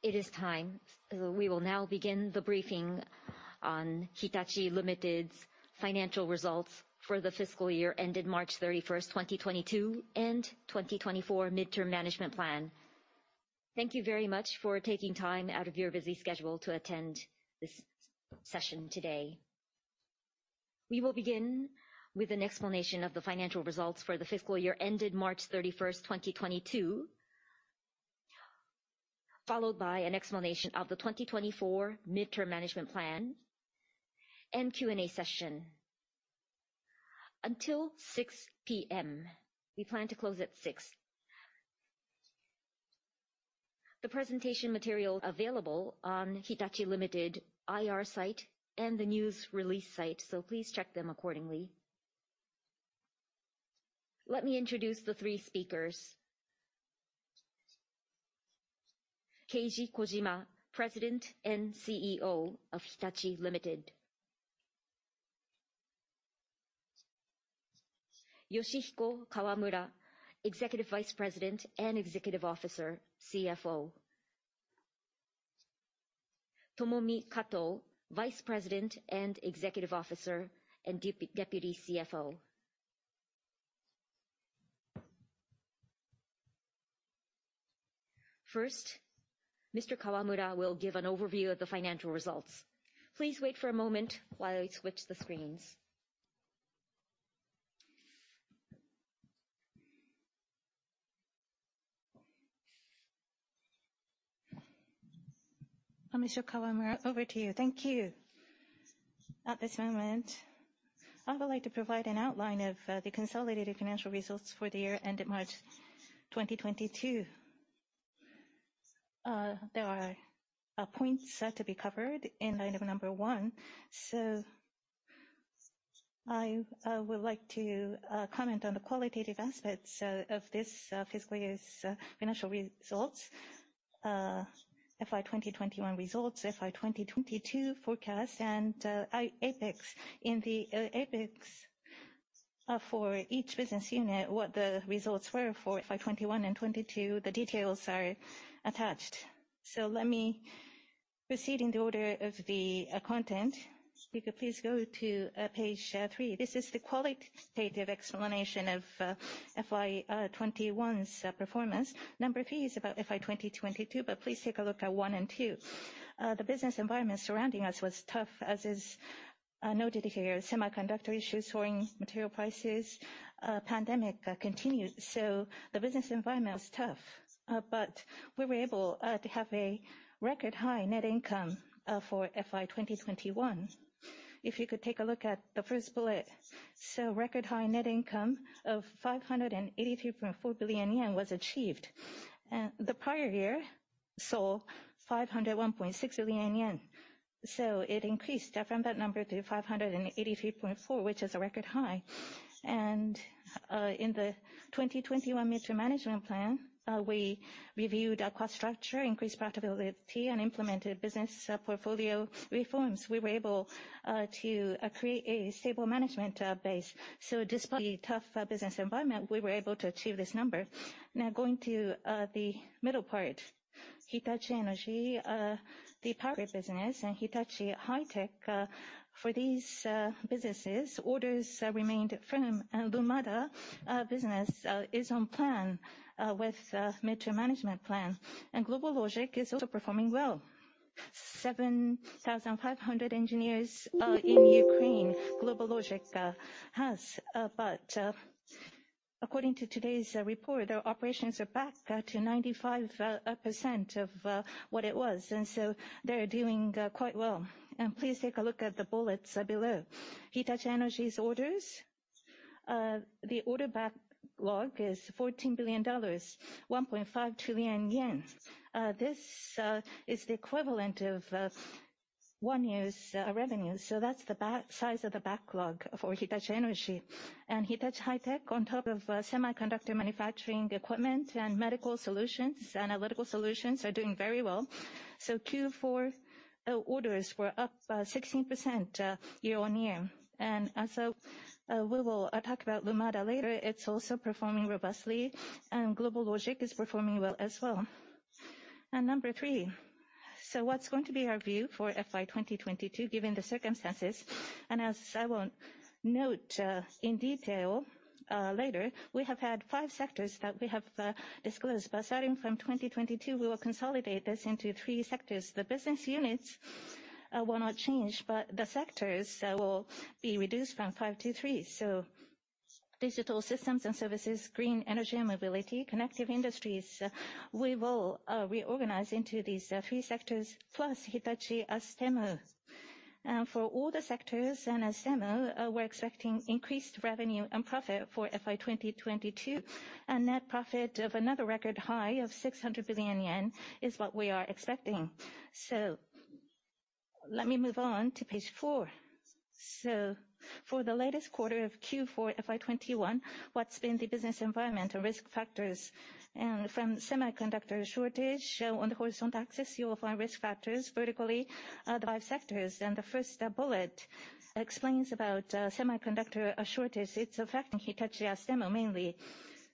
It is time. We will now begin the briefing on Hitachi, Ltd.'s financial results for the fiscal year ended March 31, 2022, and 2024 midterm management plan. Thank you very much for taking time out of your busy schedule to attend this session today. We will begin with an explanation of the financial results for the fiscal year ended March 31, 2022. Followed by an explanation of the 2024 midterm management plan and Q&A session until 6:00 P.M. We plan to close at six. The presentation material available on Hitachi, Ltd. IR site and the news release site, so please check them accordingly. Let me introduce the three speakers. Keiji Kojima, President and CEO of Hitachi, Ltd. Yoshihiko Kawamura, Executive Vice President and Executive Officer, CFO. Tomomi Kato, Vice President and Executive Officer, and Deputy CFO. First, Mr. Kawamura will give an overview of the financial results. Please wait for a moment while I switch the screens. Mr. Kawamura, over to you. Thank you. At this moment, I would like to provide an outline of the consolidated financial results for the year ended March 2022. There are points set to be covered in item number one. I would like to comment on the qualitative aspects of this fiscal year's financial results. FY 2021 results, FY 2022 forecast, and Appendix. In the Appendix, for each business unit, what the results were for FY 2021 and 2022, the details are attached. Let me proceed in the order of the content. Speaker, please go to page three. This is the qualitative explanation of FY 2021's performance. Number three is about FY 2022, but please take a look at one and two. The business environment surrounding us was tough, as is noted here. Semiconductor issues, soaring material prices, pandemic continued. The business environment was tough, but we were able to have a record high net income for FY 2021. If you could take a look at the first bullet. Record high net income of 583.4 billion yen was achieved. The prior year saw 501.6 billion yen. It increased from that number to 583.4 billion, which is a record high. In the 2021 midterm management plan, we reviewed our cost structure, increased profitability, and implemented business portfolio reforms. We were able to create a stable management base. Despite the tough business environment, we were able to achieve this number. Now, going to the middle part. Hitachi Energy, the power business, and Hitachi High-Tech, for these businesses, orders remained firm. Lumada business is on plan with midterm management plan. GlobalLogic is also performing well. 7,500 engineers in Ukraine, GlobalLogic has. According to today's report, their operations are back to 95% of what it was, and so they're doing quite well. Please take a look at the bullets below. Hitachi Energy's orders. The order backlog is $14 billion, 1.5 trillion yen. This is the equivalent of one year's revenue. That's the backlog size for Hitachi Energy. Hitachi High-Tech, on top of semiconductor manufacturing equipment and medical solutions, analytical solutions are doing very well. Q4 orders were up 16% year-on-year. We will talk about Lumada later. It's also performing robustly, and GlobalLogic is performing well as well. Number three. What's going to be our view for FY 2022 given the circumstances? As I will note in detail later, we have had five sectors that we have disclosed. Starting from 2022, we will consolidate this into three sectors. The business units will not change, but the sectors will be reduced from five to three. Digital Systems & Services, Green Energy & Mobility, Connective Industries. We will reorganize into these three sectors, plus Hitachi Astemo. For all the sectors and Astemo, we're expecting increased revenue and profit for FY 2022. Net profit of another record high of 600 billion yen is what we are expecting. Let me move on to page four. For the latest quarter of Q4 FY 2021, what's been the business environment and risk factors? From semiconductor shortage on the horizontal axis, you will find risk factors. Vertically are the five sectors. The first bullet explains about semiconductor shortage. It's affecting Hitachi Astemo mainly.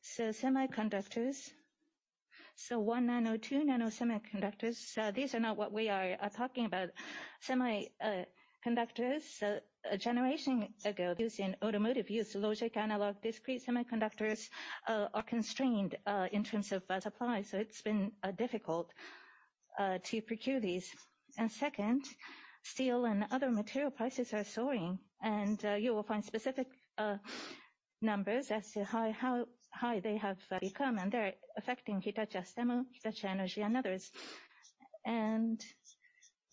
Semiconductors, one nano, two nano semiconductors, these are not what we are talking about. Semiconductors a generation ago, used in automotive use, logic, analog, discrete semiconductors, are constrained in terms of supply. It's been difficult to procure these. Second, steel and other material prices are soaring, and you will find specific numbers as to how high they have become, and they're affecting Hitachi Astemo, Hitachi Energy and others.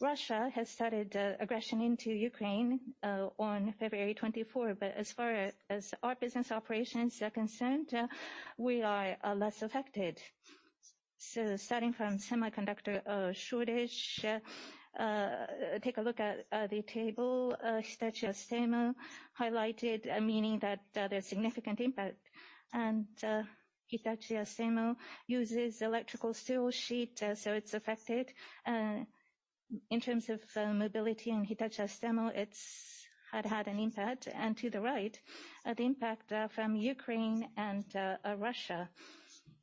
Russia has started aggression into Ukraine on February twenty-fourth. As far as our business operations are concerned, we are less affected. Starting from semiconductor shortage, take a look at the table. Hitachi Astemo highlighted, meaning that there's significant impact. Hitachi Astemo uses electrical steel sheet, so it's affected. In terms of mobility and Hitachi Astemo, it's had an impact. To the right, the impact from Ukraine and Russia.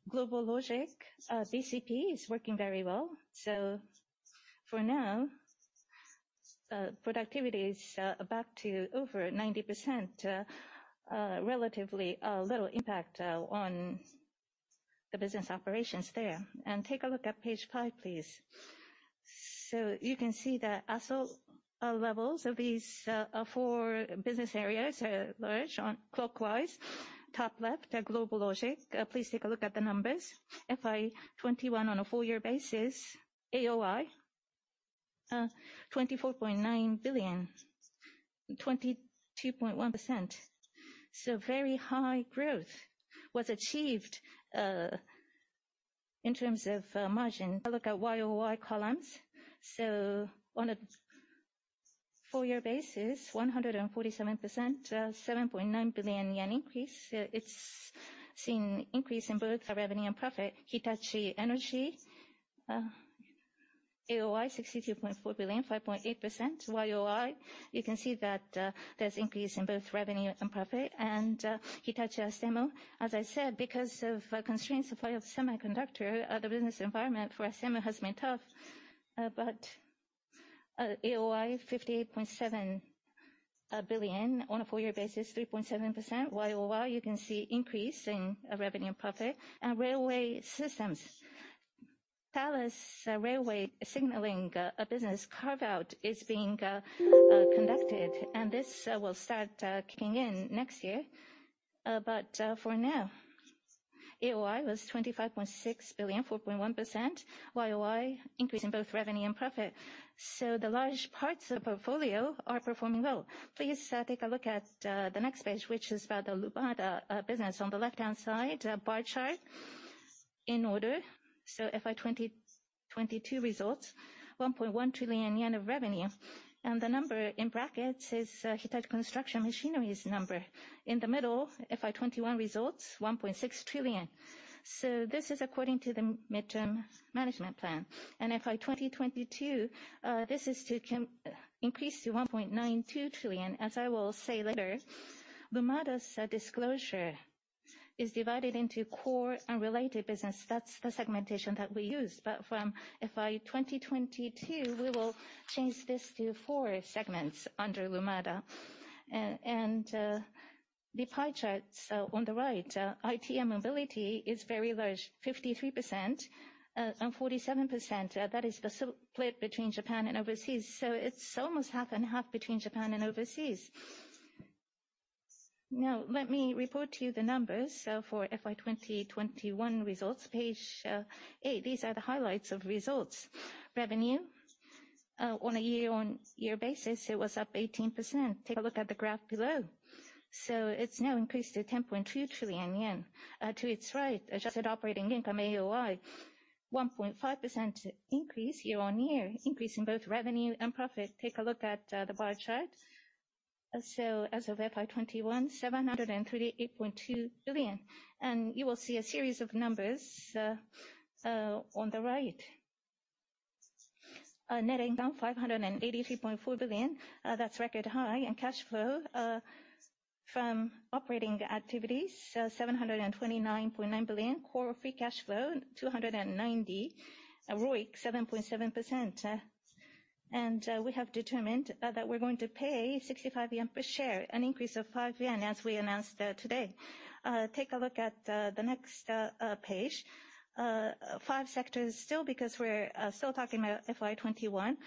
GlobalLogic BCP is working very well. For now, productivity is back to over 90%. Relatively little impact on the business operations there. Take a look at page five, please. You can see the asset levels of these four business areas are laid out clockwise. Top left, GlobalLogic. Please take a look at the numbers. FY 2021 on a full year basis, AOI 24.9 billion, 22.1%. Very high growth was achieved in terms of margin. Have a look at YOY columns. On a full year basis, 147%, 7.9 billion yen increase. It's seen increase in both revenue and profit. Hitachi Energy, AOI 62.4 billion, 5.8% YOY. You can see that, there's increase in both revenue and profit. Hitachi Astemo, as I said, because of constrained supply of semiconductor, the business environment for Astemo has been tough. AOI 58.7 billion on a full year basis, 3.7% YOY. You can see increase in revenue and profit. Railway Systems. Thales Railway Signaling business carve-out is being conducted, and this will start kicking in next year. For now, AOI was 25.6 billion, 4.1% YOY increase in both revenue and profit. The large parts of portfolio are performing well. Please take a look at the next page, which is about the Lumada business. On the left-hand side, bar chart in order. FY 2022 results, 1.1 trillion yen of revenue. The number in brackets is Hitachi Construction Machinery's number. In the middle, FY 2021 results, 1.6 trillion. This is according to the midterm management plan. FY 2022, this is to increase to 1.92 trillion. As I will say later, Lumada's disclosure is divided into core and related business. That's the segmentation that we use. From FY 2022, we will change this to four segments under Lumada. The pie charts on the right, IT and mobility is very large, 53%, and 47%. That is the split between Japan and overseas, so it's almost half and half between Japan and overseas. Now let me report to you the numbers for FY 2021 results. Page eight. These are the highlights of results. Revenue, on a year-on-year basis, it was up 18%. Take a look at the graph below. It's now increased to 10.2 trillion yen. To its right, adjusted operating income, AOI, 1.5% increase year-on-year, increase in both revenue and profit. Take a look at the bar chart. As of FY 2021, 738.2 billion. You will see a series of numbers on the right. Net income, 583.4 billion. That's record high. Cash flow from operating activities, 729.9 billion. Core free cash flow, 290 billion. ROIC, 7.7%. We have determined that we're going to pay 65 yen per share, an increase of 5 yen, as we announced today. Take a look at the next page. Five sectors still because we're still talking about FY 2021.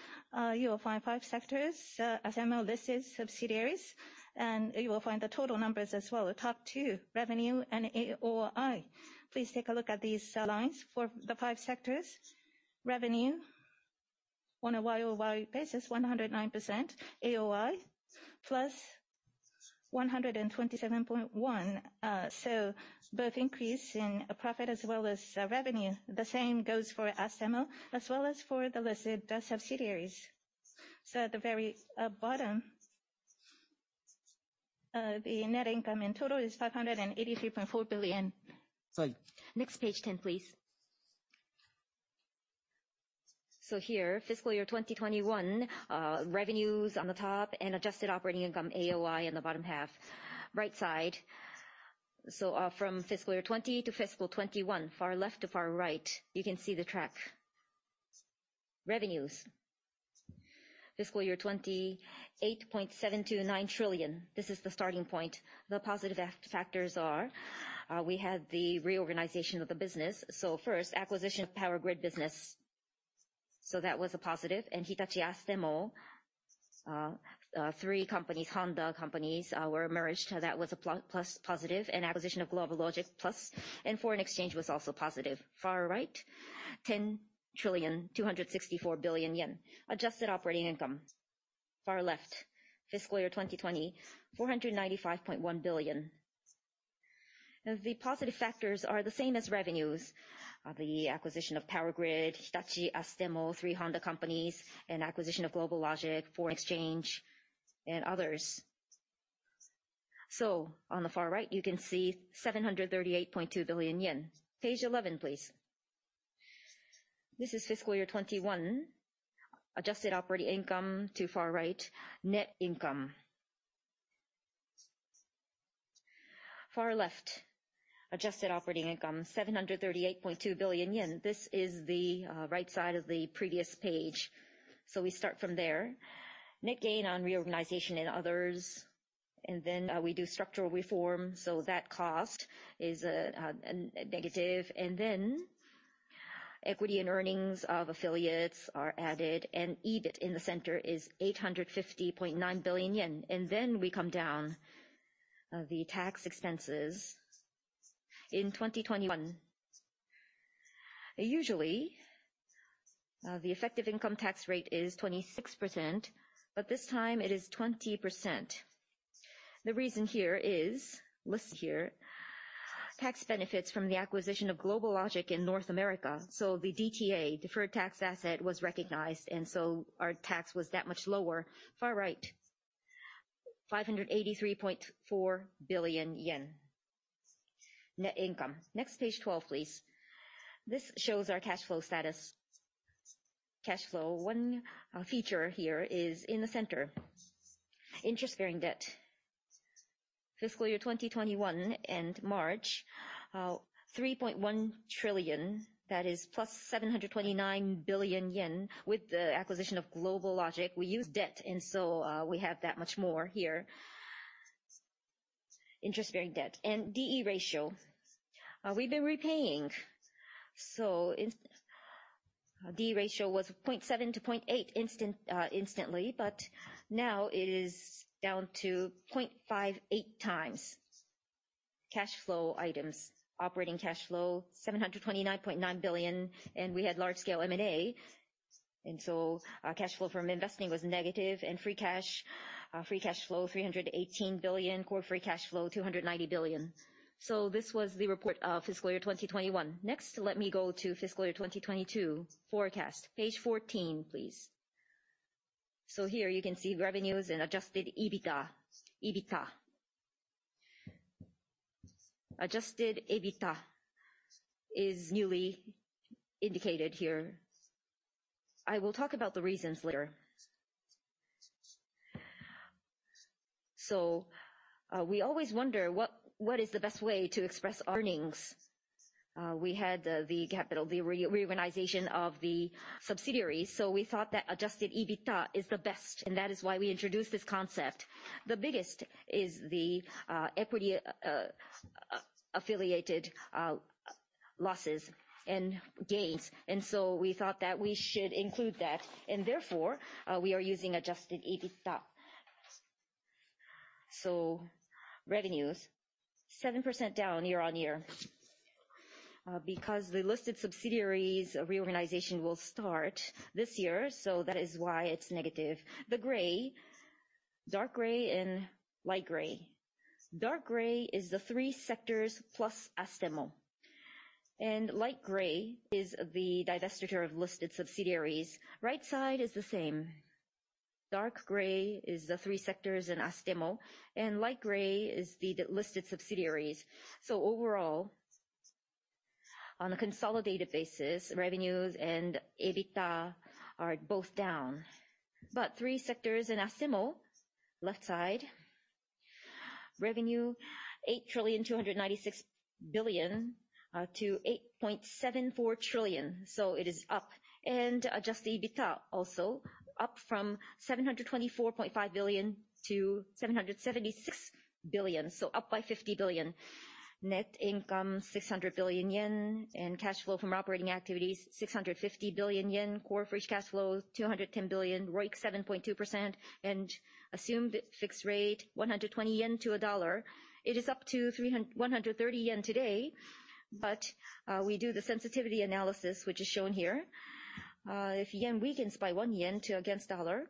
You will find five sectors. Hitachi Astemo, these subsidiaries, and you will find the total numbers as well. Top two, revenue and AOI. Please take a look at these lines for the five sectors. Revenue on a YOY basis, 109%. AOI, +127.1%. Both increase in profit as well as revenue. The same goes for Hitachi Astemo as well as for the listed subsidiaries. At the very bottom, the net income in total is 583.4 billion. Next page 10, please. Here, fiscal year 2021, revenues on the top and adjusted operating income, AOI, on the bottom half. Right side. From fiscal year 2020 to fiscal 2021, far left to far right, you can see the track. Revenues. Fiscal year 2020, 8.729 trillion. This is the starting point. The positive factors are, we had the reorganization of the business. First, acquisition of power grid business. That was a positive. And Hitachi Astemo, three companies, Honda companies, were merged. That was a positive. And acquisition of GlobalLogic, plus. And foreign exchange was also positive. Far right, 10.264 trillion. Adjusted operating income. Far left, fiscal year 2020, 495.1 billion. The positive factors are the same as revenues. The acquisition of power grid, Hitachi Astemo, three Honda companies, and acquisition of GlobalLogic, foreign exchange, and others. On the far right, you can see 738.2 billion yen. Page eleven, please. This is fiscal year 2021. Adjusted operating income to far right, net income. Far left, adjusted operating income, 738.2 billion yen. This is the right side of the previous page. We start from there. Net gain on reorganization and others, and then we do structural reform, so that cost is negative. Equity and earnings of affiliates are added, and EBIT in the center is 850.9 billion yen. We come down. The tax expenses in 2021. Usually, the effective income tax rate is 26%, but this time it is 20%. The reason here is, listed here, tax benefits from the acquisition of GlobalLogic in North America. The DTA, deferred tax asset, was recognized, and so our tax was that much lower. Far right, 583.4 billion yen net income. Next, page 12, please. This shows our cash flow status. Cash flow. One feature here is in the center. Interest-bearing debt. Fiscal year 2021 end March, 3.1 trillion. That is +729 billion yen. With the acquisition of GlobalLogic, we used debt and so, we have that much more here. Interest-bearing debt and D/E ratio. We've been repaying, so in... D/E ratio was 0.7-0.8 instantly, but now it is down to 0.58 times. Cash flow items. Operating cash flow, 729.9 billion. We had large scale M&A, and so our cash flow from investing was negative. Free cash flow, 318 billion. Core free cash flow, 290 billion. This was the report of fiscal year 2021. Next, let me go to fiscal year 2022 forecast. Page 14, please. Here you can see revenues and Adjusted EBITA. Adjusted EBITA is newly indicated here. I will talk about the reasons later. We always wonder what is the best way to express earnings. We had the capital reorganization of the subsidiaries, so we thought that Adjusted EBITA is the best, and that is why we introduced this concept. The biggest is the equity affiliated losses and gains, and so we thought that we should include that, and therefore, we are using Adjusted EBITA. Revenues 7% down year-on-year, because the listed subsidiaries reorganization will start this year, so that is why it's negative. The gray, dark gray and light gray. Dark gray is the three sectors plus Astemo, and light gray is the divestiture of listed subsidiaries. Right side is the same. Dark gray is the three sectors in Astemo, and light gray is the delisted subsidiaries. Overall, on a consolidated basis, revenues and EBITA are both down. Three sectors in Astemo, left side, revenue 8.296 trillion to 8.74 trillion, so it is up. Adjusted EBITA also up from 724.5 billion to 776 billion, so up by 50 billion. Net income 600 billion yen. Cash flow from operating activities 650 billion yen. Core free cash flow 210 billion. ROIC 7.2%. Assumed fixed rate 120 yen to the dollar. It is up to 130 yen today. We do the sensitivity analysis, which is shown here. If yen weakens by 1 yen against the dollar,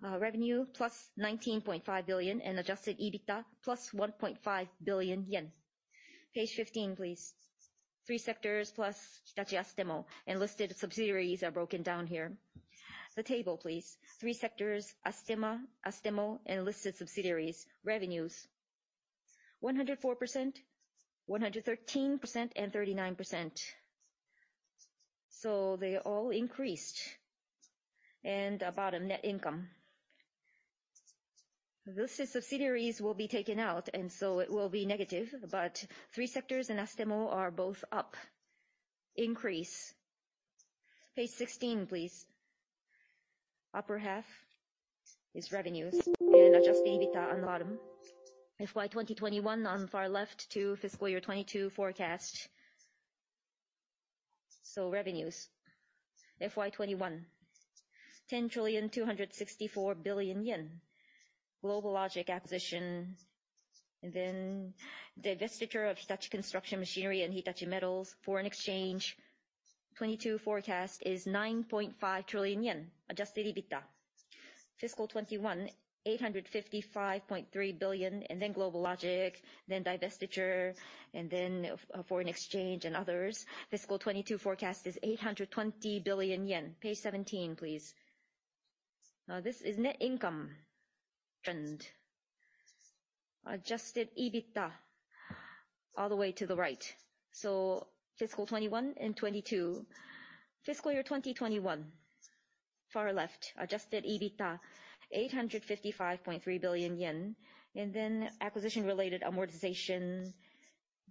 revenue plus 19.5 billion and Adjusted EBITA plus 1.5 billion yen. Page 15, please. Three sectors plus Hitachi Astemo and listed subsidiaries are broken down here. The table please. Three sectors, Astemo and listed subsidiaries. Revenues 104%, 113%, and 39%. They all increased. Bottom, net income. This is subsidiaries will be taken out, and so it will be negative. Three sectors and Astemo are both up. Increase. Page 16, please. Upper half is revenues and Adjusted EBITA on the bottom. FY 2021 on far left to fiscal year 2022 forecast. Revenues, FY 2021, JPY 10.264 trillion. GlobalLogic acquisition, and then divestiture of Hitachi Construction Machinery and Hitachi Metals. Foreign exchange, 2022 forecast is 9.5 trillion yen. Adjusted EBITA, fiscal 2021, 855.3 billion, and then GlobalLogic, then divestiture, and then foreign exchange and others. Fiscal 2022 forecast is 820 billion yen. Page 17, please. Now this is net income trend. Adjusted EBITA all the way to the right. Fiscal 2021 and 2022. Fiscal year 2021, far left, Adjusted EBITA, 855.3 billion yen. Then acquisition-related amortization,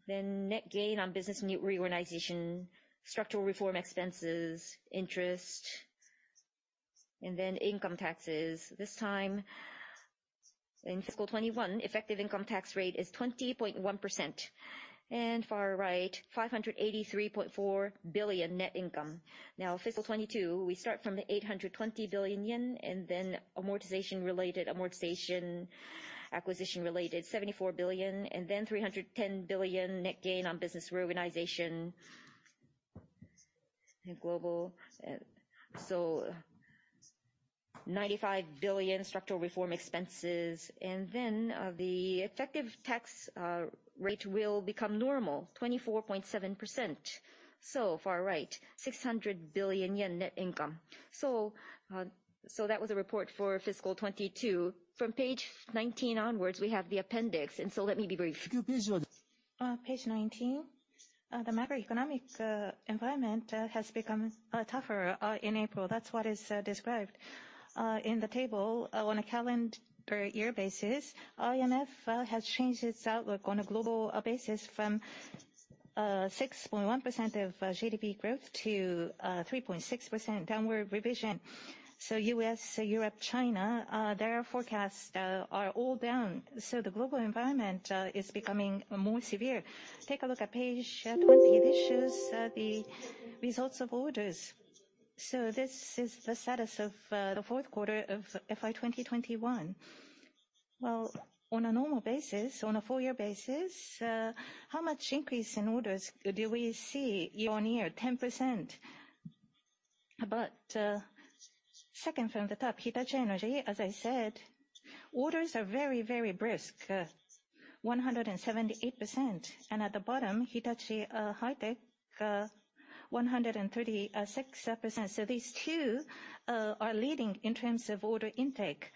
then net gain on business reorganization, structural reform expenses, interest, and then income taxes. This time in fiscal 2021, effective income tax rate is 20.1%. Far right, 583.4 billion net income. Now fiscal 2022, we start from the 820 billion yen, then acquisition-related amortization, 74 billion, and then 310 billion net gain on business reorganization. Then Global, so 95 billion structural reform expenses. Then the effective tax rate will become normal, 24.7%. So far, right, 600 billion yen net income. That was a report for fiscal 2022. From page 19 onwards, we have the Appendix, and so let me be brief. Page 19. The macroeconomic environment has become tougher in April. That's what is described in the table on a calendar year basis. IMF has changed its outlook on a global basis from 6.1% of GDP growth to 3.6% downward revision. U.S., Europe, China, their forecast are all down. The global environment is becoming more severe. Take a look at page 20. This shows the results of orders. This is the status of the fourth quarter of FY2021. Well, on a normal basis, on a full year basis, how much increase in orders do we see year-on-year? 10%. Second from the top, Hitachi Energy, as I said, orders are very, very brisk, 178%. At the bottom, Hitachi High-Tech, 136%. These two are leading in terms of order intake.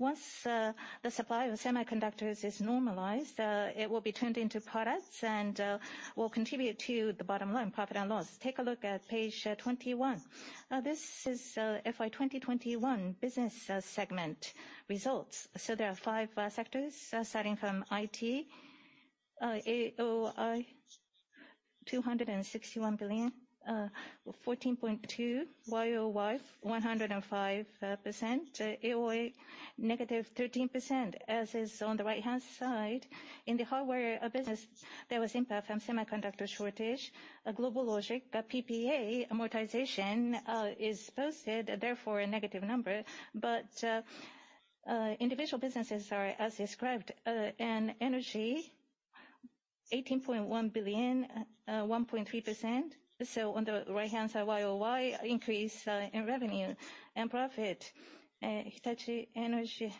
Once the supply of semiconductors is normalized, it will be turned into products and will contribute to the bottom line, profit and loss. Take a look at page 21. Now, this is FY 2021 business segment results. There are five sectors, starting from IT. AOI, JPY 261 billion, 14.2, YoY 105%. AOI, -13%. As is on the right-hand side, in the hardware business, there was impact from semiconductor shortage. GlobalLogic, the PPA amortization is posted, therefore a negative number. Individual businesses are as described. Energy, 18.1 billion, 1.3%. So on the right-hand side, YoY increase in revenue and profit. Hitachi Energy,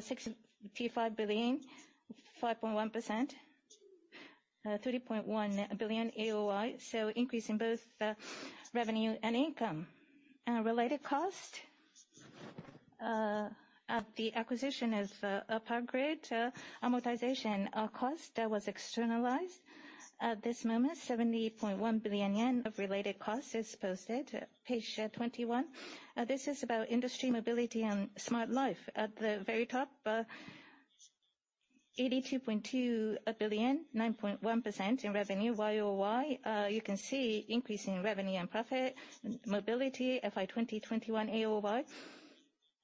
65 billion, 5.1%. 30.1 billion AOI, so increase in both revenue and income. Related cost at the acquisition is power grid amortization cost that was externalized. At this moment, 70.1 billion yen of related cost is posted. Page 21, this is about industry mobility and smart life. At the very top, 82.2 billion, 9.1% in revenue YoY. You can see increase in revenue and profit. Mobility, FY 2021 AOI,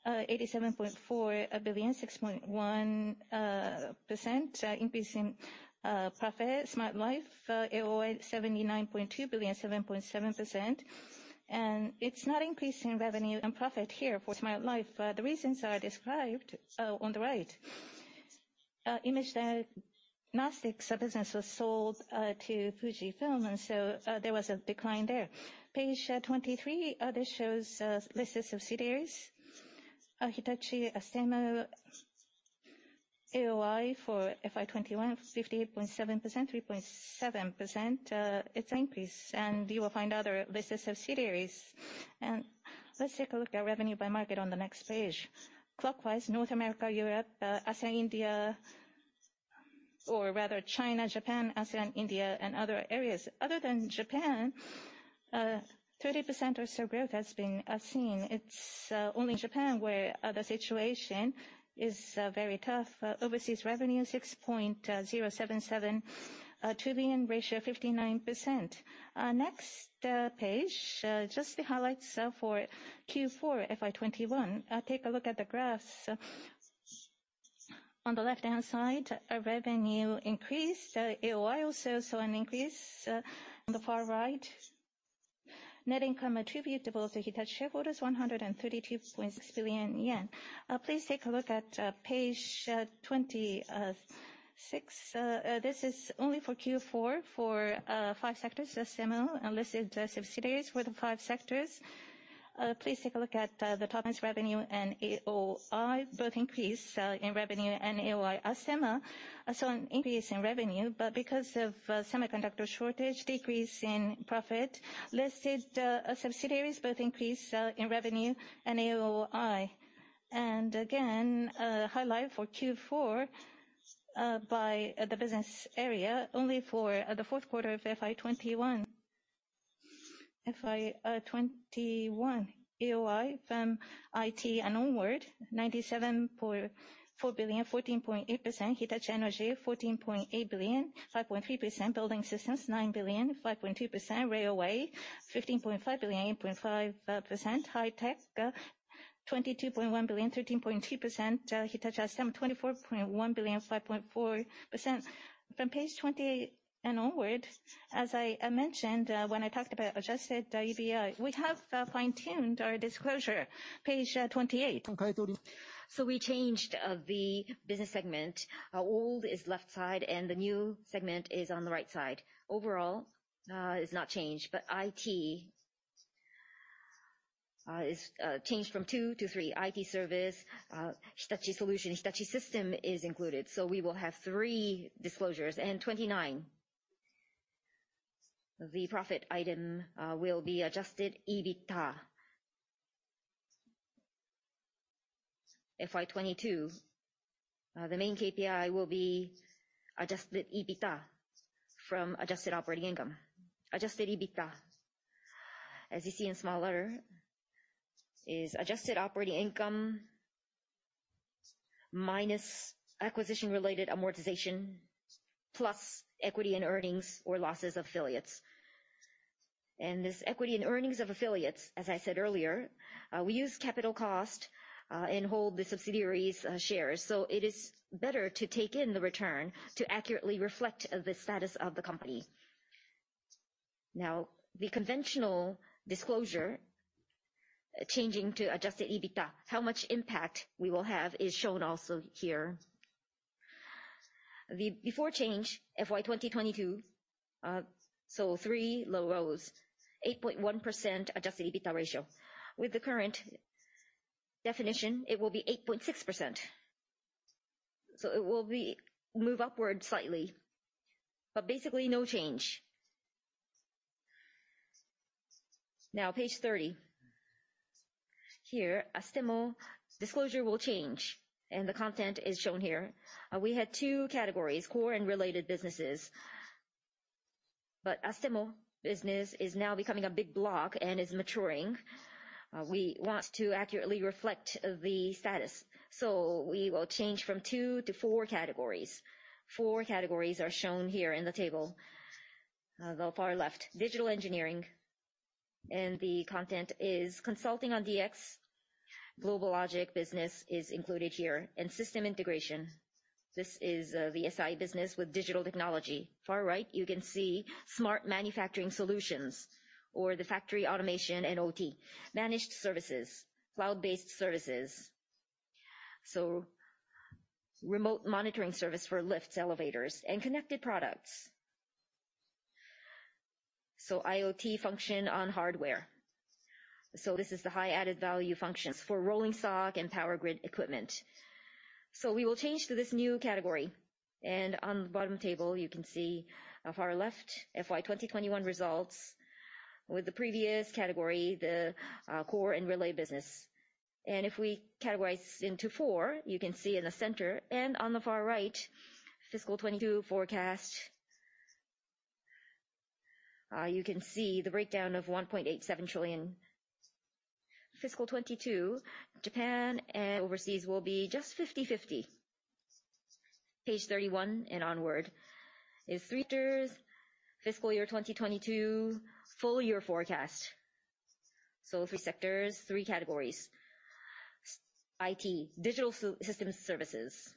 JPY 87.4 billion, 6.1% increase in profit. Smart Life AOI 79.2 billion, 7.7%. It's not increasing revenue and profit here for Smart Life. The reasons are described on the right. Diagnostic Imaging business was sold to Fujifilm, and so there was a decline there. Page 23, this shows list of subsidiaries. Hitachi Astemo, AOI for FY21, 58.7%, 3.7%. It's an increase. You will find other list of subsidiaries. Let's take a look at revenue by market on the next page. Clockwise, North America, Europe, Asia, India, or rather China, Japan, ASEAN, India, and other areas. Other than Japan, 30% or so growth has been seen. It's only Japan where the situation is very tough. Overseas revenue 6.077 trillion, ratio 59%. Next page, just the highlights for Q4 FY 2021. Take a look at the graphs. On the left-hand side, our revenue increased. AOI also saw an increase. On the far right, net income attributable to Hitachi shareholders, 132.6 billion yen. Please take a look at page 26. This is only for Q4 for five sectors. Hitachi Astemo and listed subsidiaries were the five sectors. Please take a look at the top is revenue and AOI. Both increased in revenue and AOI. Hitachi Astemo saw an increase in revenue, but because of semiconductor shortage, decrease in profit. Listed Subsidiaries both increased in revenue and AOI. Again, highlight for Q4 by the business area only for the fourth quarter of FY 2021. FY 2021 AOI from IT and onward, 97.4 billion, 14.8%. Hitachi Energy, 14.8 billion, 5.3%. Building Systems, 9 billion, 5.2%. Railway, 15.5 billion, 8.5%. Hitachi High-Tech, 22.1 billion, 13.2%. Hitachi Astemo, 24.1 billion, 5.4%. From page 28 and onward, as I mentioned, when I talked about Adjusted EBITA, we have fine-tuned our disclosure. Page 28. We changed the business segment. Old is left side and the new segment is on the right side. Overall, it's not changed, but IT is changed from two to three. IT Services, Hitachi Solutions, Hitachi Systems is included. We will have three disclosures. Page 29, the profit item will be Adjusted EBITA. FY 2022, the main KPI will be Adjusted EBITA from adjusted operating income. Adjusted EBITA, as you see in small letters, is adjusted operating income minus acquisition-related amortization, plus equity and earnings or losses of affiliates. This equity and earnings of affiliates, as I said earlier, we use capital cost, and hold the subsidiaries' shares. It is better to take in the return to accurately reflect the status of the company. Now, the conventional disclosure changing to Adjusted EBITA, how much impact we will have is shown also here. The before change, FY 2022, three rows, 8.1% Adjusted EBITA ratio. With the current definition, it will be 8.6%. It will move upward slightly, but basically no change. Now page 30. Here, Astemo disclosure will change, and the content is shown here. We had two categories, core and related businesses. Astemo business is now becoming a big block and is maturing. We want to accurately reflect the status. We will change from two to four categories. Four categories are shown here in the table. The far left, Digital Engineering, and the content is consulting on DX. GlobalLogic business is included here. System Integration, this is the SI business with digital technology. Far right, you can see smart manufacturing solutions or the factory automation and OT. Managed services, cloud-based services, remote monitoring service for lifts, elevators, and connected products. IoT function on hardware. This is the high added-value functions for rolling stock and power grid equipment. We will change to this new category. On the bottom table, you can see on far left FY 2021 results with the previous category, the core and relay business. If we categorize into four, you can see in the center and on the far right, fiscal 2022 forecast. You can see the breakdown of 1.87 trillion. Fiscal 2022, Japan and overseas will be just 50/50. Page 31 and onward is three sectors, fiscal year 2022 full year forecast. Three sectors, three categories. Digital Systems & Services,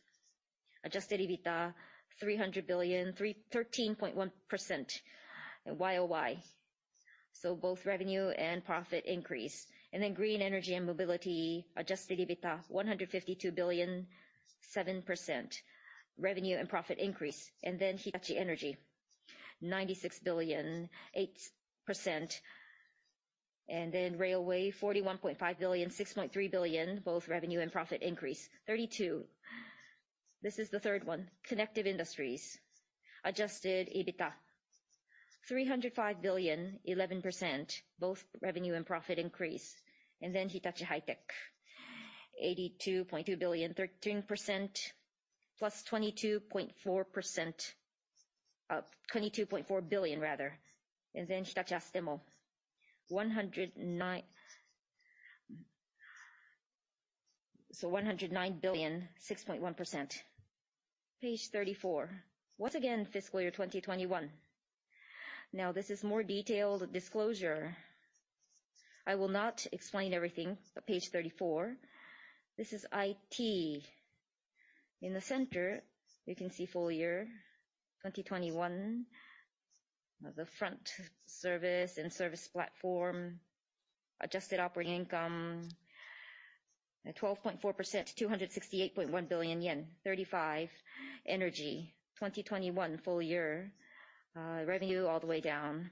Adjusted EBITA JPY 300 billion, 13.1% YoY. Both revenue and profit increase. Green Energy & Mobility, Adjusted EBITA 152 billion, 7%. Revenue and profit increase. Hitachi Energy, 96 billion, 8%. Railway, 41.5 billion, 6.3 billion, both revenue and profit increase. 32. This is the third one. Connective Industries. Adjusted EBITA 305 billion, 11%, both revenue and profit increase. Hitachi High-Tech, 82.2 billion, 13% plus 22.4 billion, rather. Hitachi Astemo, JPY 109 billion, 6.1%. Page 34. Once again, fiscal year 2021. Now this is more detailed disclosure. I will not explain everything, but page 34, this is IT. In the center, we can see full year 2021. Now the front service and service platform, adjusted operating income at 12.4%, 268.1 billion yen. 35, energy. 2021 full year, revenue all the way down.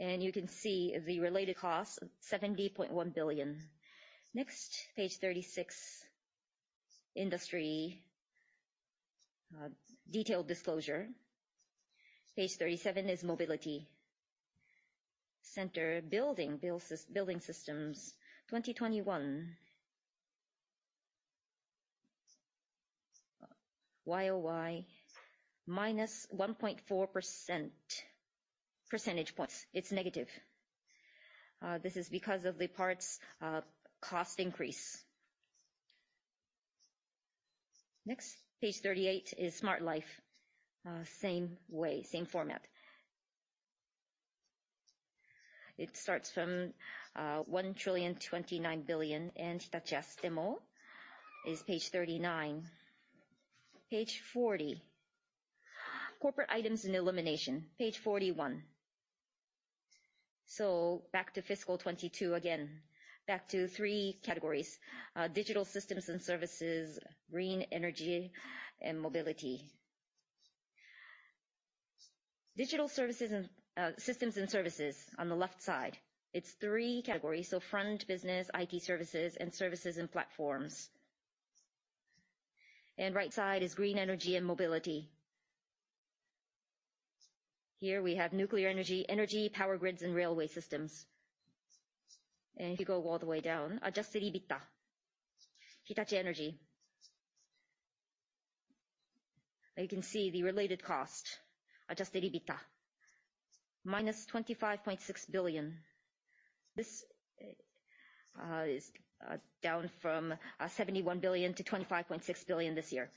You can see the related costs, 70.1 billion. Next, page 36, industry, detailed disclosure. Page 37 is mobility. In the center, building systems, 2021. Y-o-Y minus 1.4%. Percentage points, it's negative. This is because of the parts, cost increase. Next, page 38 is smart life. Same way, same format. It starts from, one trillion twenty-nine billion. Hitachi Astemo is page 39. Page 40, corporate items and elimination. Page 41. Back to fiscal 2022 again. Back to three categories, Digital Systems & Services, Green Energy & Mobility. Digital Systems & Services on the left side, it's three categories. Front business, IT services, and services and platforms. Right side is Green Energy & Mobility. Here we have nuclear energy, power grids, and railway systems. If you go all the way down, Adjusted EBITA, Hitachi Energy. Now you can see the related cost, Adjusted EBITA, -25.6 billion. This is down from 71 billion to 25.6 billion this year.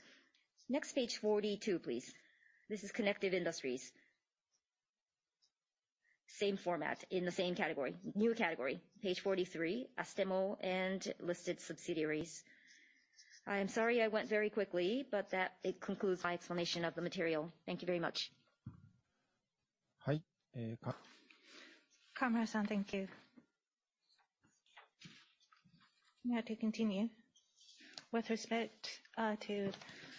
Next, page 42, please. This is Connective Industries. Same format in the same category. New category, page 43, Astemo and listed subsidiaries. I am sorry I went very quickly, but that concludes my explanation of the material. Thank you very much. Kawamura-san, thank you. Now to continue. With respect to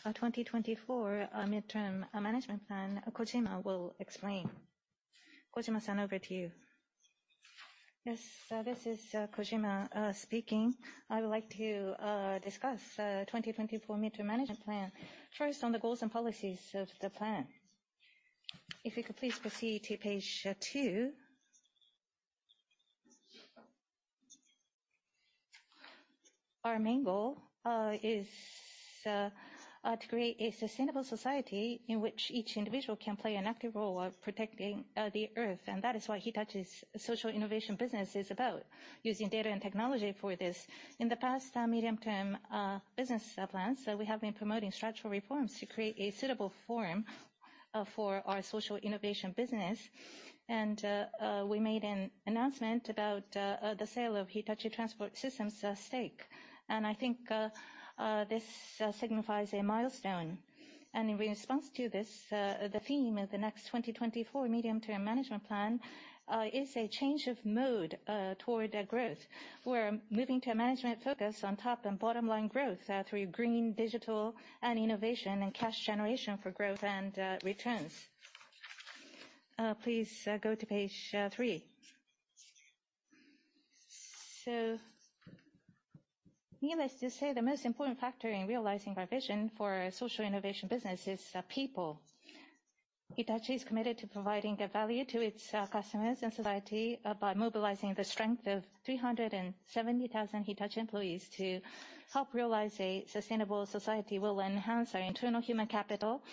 our 2024 midterm management plan, Kojima will explain. Kojima-san, over to you. Yes. This is Kojima speaking. I would like to discuss 2024 midterm management plan. First, on the goals and policies of the plan. If we could please proceed to page two. Our main goal is to create a sustainable society in which each individual can play an active role of protecting the Earth, and that is what Hitachi's social innovation business is about, using data and technology for this. In the past medium-term business plans we have been promoting structural reforms to create a suitable forum for our social innovation business. We made an announcement about the sale of Hitachi Transport System's stake. I think this signifies a milestone. In response to this, the theme of the next 2024 medium-term management plan is a change of mode toward growth. We're moving to a management focus on top and bottom line growth through green, digital, and innovation, and cash generation for growth and returns. Please go to page three. Needless to say, the most important factor in realizing our vision for our social innovation business is the people. Hitachi is committed to providing a value to its customers and society by mobilizing the strength of 370,000 Hitachi employees to help realize a sustainable society. We'll enhance our internal human capital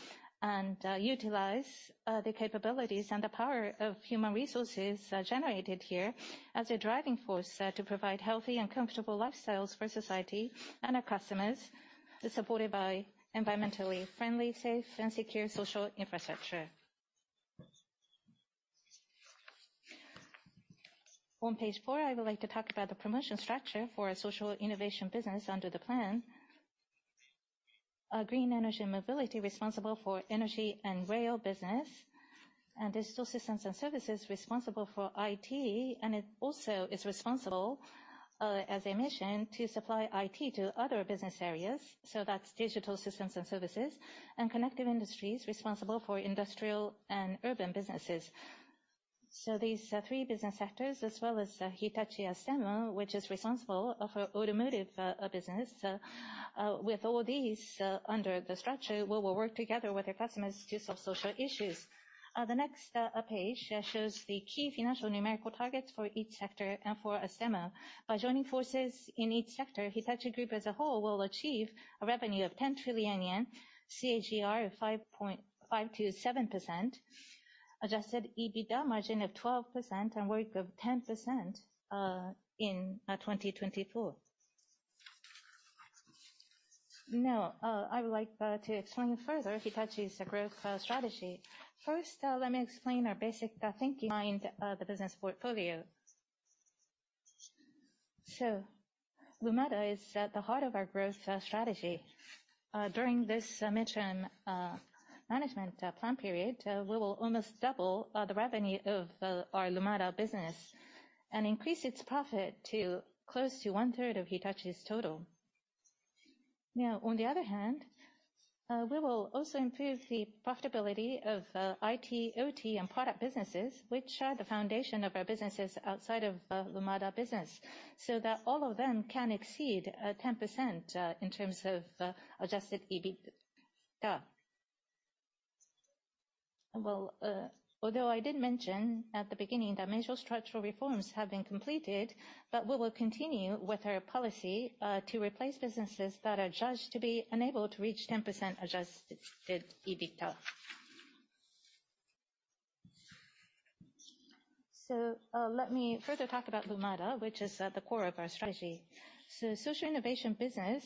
and utilize the capabilities and the power of human resources generated here as a driving force to provide healthy and comfortable lifestyles for society and our customers, supported by environmentally friendly, safe, and secure social infrastructure. On page four, I would like to talk about the promotion structure for our social innovation business under the plan. Green Energy & Mobility responsible for energy and rail business. Digital Systems & Services responsible for IT, and it also is responsible, as I mentioned, to supply IT to other business areas, so that's Digital Systems & Services. Connective Industries responsible for industrial and urban businesses. These three business sectors as well as Hitachi Astemo, which is responsible for automotive business. With all these under the structure, we will work together with our customers to solve social issues. The next page shows the key financial numerical targets for each sector and for Astemo. By joining forces in each sector, Hitachi group as a whole will achieve a revenue of 10 trillion yen, CAGR of 5.5%-7%, Adjusted EBITA margin of 12% and ROIC of 10%, in 2024. Now, I would like to explain further Hitachi's growth strategy. First, let me explain our basic thinking behind the business portfolio. Lumada is at the heart of our growth strategy. During this mid-term management plan period, we will almost double the revenue of our Lumada business and increase its profit to close to one-third of Hitachi's total. Now, on the other hand, we will also improve the profitability of IT, OT, and product businesses, which are the foundation of our businesses outside of Lumada business, so that all of them can exceed 10% in terms of adjusted EBITA. Although I did mention at the beginning that major structural reforms have been completed, but we will continue with our policy to replace businesses that are judged to be unable to reach 10% Adjusted EBITA. Let me further talk about Lumada, which is at the core of our strategy. Social innovation business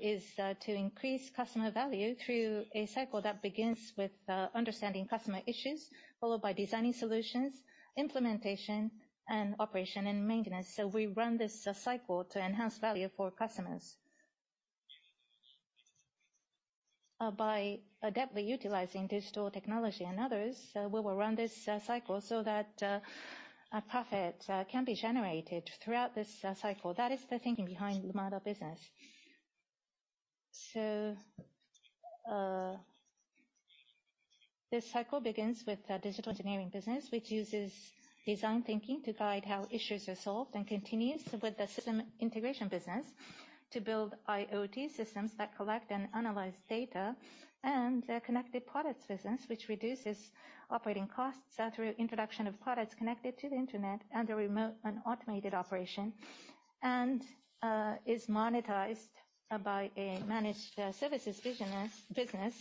is to increase customer value through a cycle that begins with understanding customer issues, followed by designing solutions, implementation and operation and maintenance. We run this cycle to enhance value for customers. By adeptly utilizing digital technology and others, we will run this cycle so that a profit can be generated throughout this cycle. That is the thinking behind Lumada business. This cycle begins with the digital engineering business, which uses design thinking to guide how issues are solved and continues with the system integration business to build IoT systems that collect and analyze data and the connected products business, which reduces operating costs through introduction of products connected to the internet and a remote and automated operation, and is monetized by a managed services business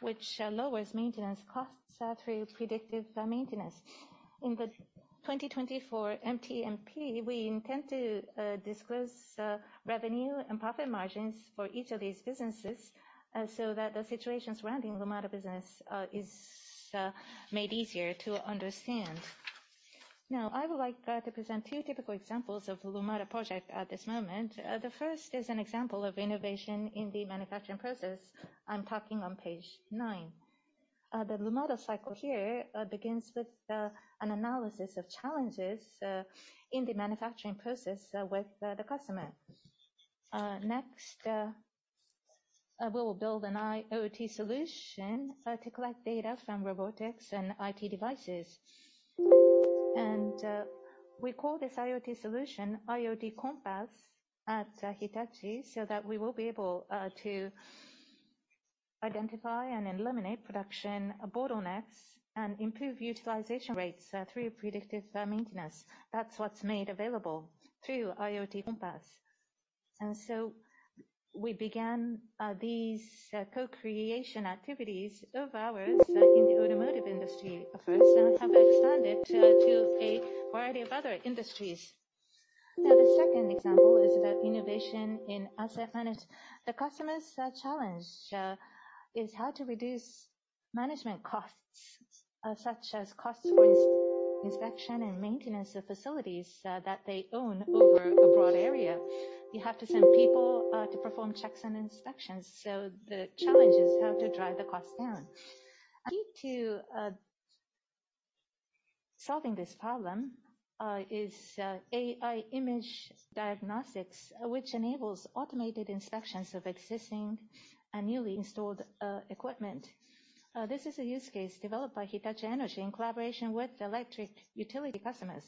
which lowers maintenance costs through predictive maintenance. In the 2024 MTMP, we intend to disclose revenue and profit margins for each of these businesses so that the situation surrounding Lumada business is made easier to understand. Now, I would like to present two typical examples of Lumada project at this moment. The first is an example of innovation in the manufacturing process. I'm talking on page nine. The Lumada cycle here begins with an analysis of challenges in the manufacturing process with the customer. Next, we will build an IoT solution to collect data from robotics and IT devices. We call this IoT solution IoT Compass at Hitachi, so that we will be able to identify and eliminate production bottlenecks and improve utilization rates through predictive maintenance. That's what's made available through IoT Compass. We began these co-creation activities of ours in the automotive industry at first and have expanded to a variety of other industries. Now, the second example is about innovation in asset management. The customer's challenge is how to reduce management costs, such as costs for inspection and maintenance of facilities that they own over a broad area. You have to send people to perform checks and inspections. The challenge is how to drive the cost down. The key to solving this problem is AI image diagnostics, which enables automated inspections of existing and newly installed equipment. This is a use case developed by Hitachi Energy in collaboration with electric utility customers.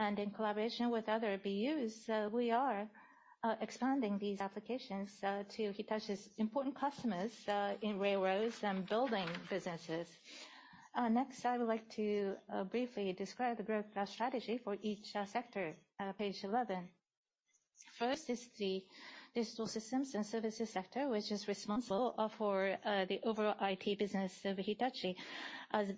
In collaboration with other BUs, we are expanding these applications to Hitachi's important customers in railroads and building businesses. Next, I would like to briefly describe the growth strategy for each sector. Page 11. First is the Digital Systems & Services sector, which is responsible for the overall IT business of Hitachi.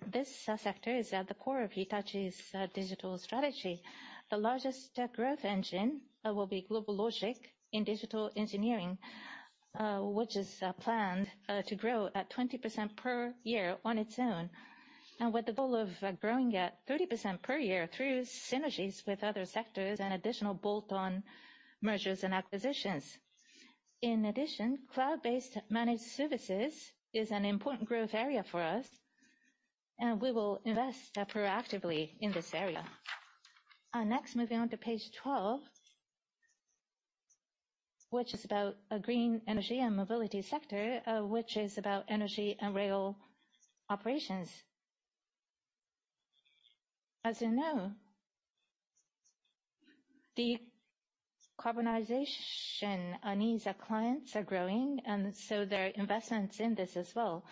This sector is at the core of Hitachi's digital strategy. The largest growth engine will be GlobalLogic in digital engineering, which is planned to grow at 20% per year on its own, and with the goal of growing at 30% per year through synergies with other sectors and additional bolt-on mergers and acquisitions. In addition, cloud-based managed services is an important growth area for us, and we will invest proactively in this area. Next, moving on to page 12. Which is about a Green Energy & Mobility sector, which is about energy and rail operations. As you know, the decarbonization unease our clients are growing, and so their investments in this as well.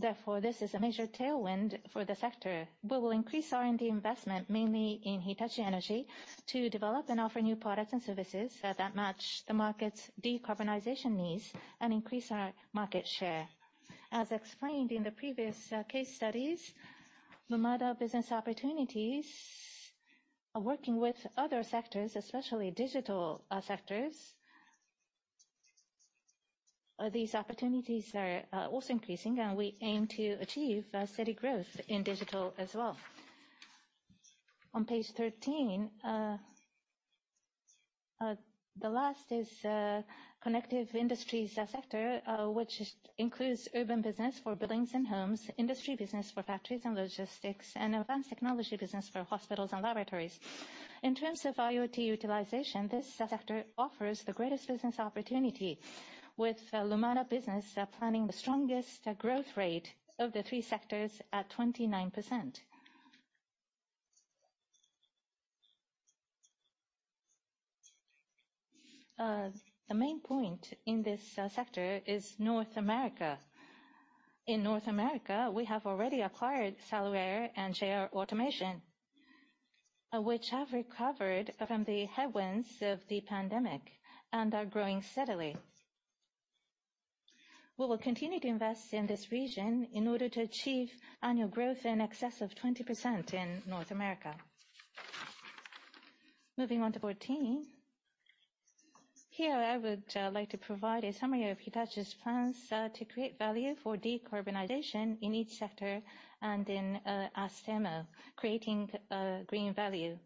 Therefore, this is a major tailwind for the sector. We will increase R&D investment, mainly in Hitachi Energy, to develop and offer new products and services that match the market's decarbonization needs and increase our market share. As explained in the previous case studies, Lumada business opportunities are working with other sectors, especially digital sectors. These opportunities are also increasing, and we aim to achieve steady growth in digital as well. On page 13, the last is connective industries sector, which includes urban business for buildings and homes, industry business for factories and logistics, and advanced technology business for hospitals and laboratories. In terms of IoT utilization, this sector offers the greatest business opportunity with Lumada business, planning the strongest growth rate of the three sectors at 29%. The main point in this sector is North America. In North America, we have already acquired Sullair and JR Automation, which have recovered from the headwinds of the pandemic and are growing steadily. We will continue to invest in this region in order to achieve annual growth in excess of 20% in North America. Moving on to 14. Here I would like to provide a summary of Hitachi's plans to create value for decarbonization in each sector and in Astemo, creating green value.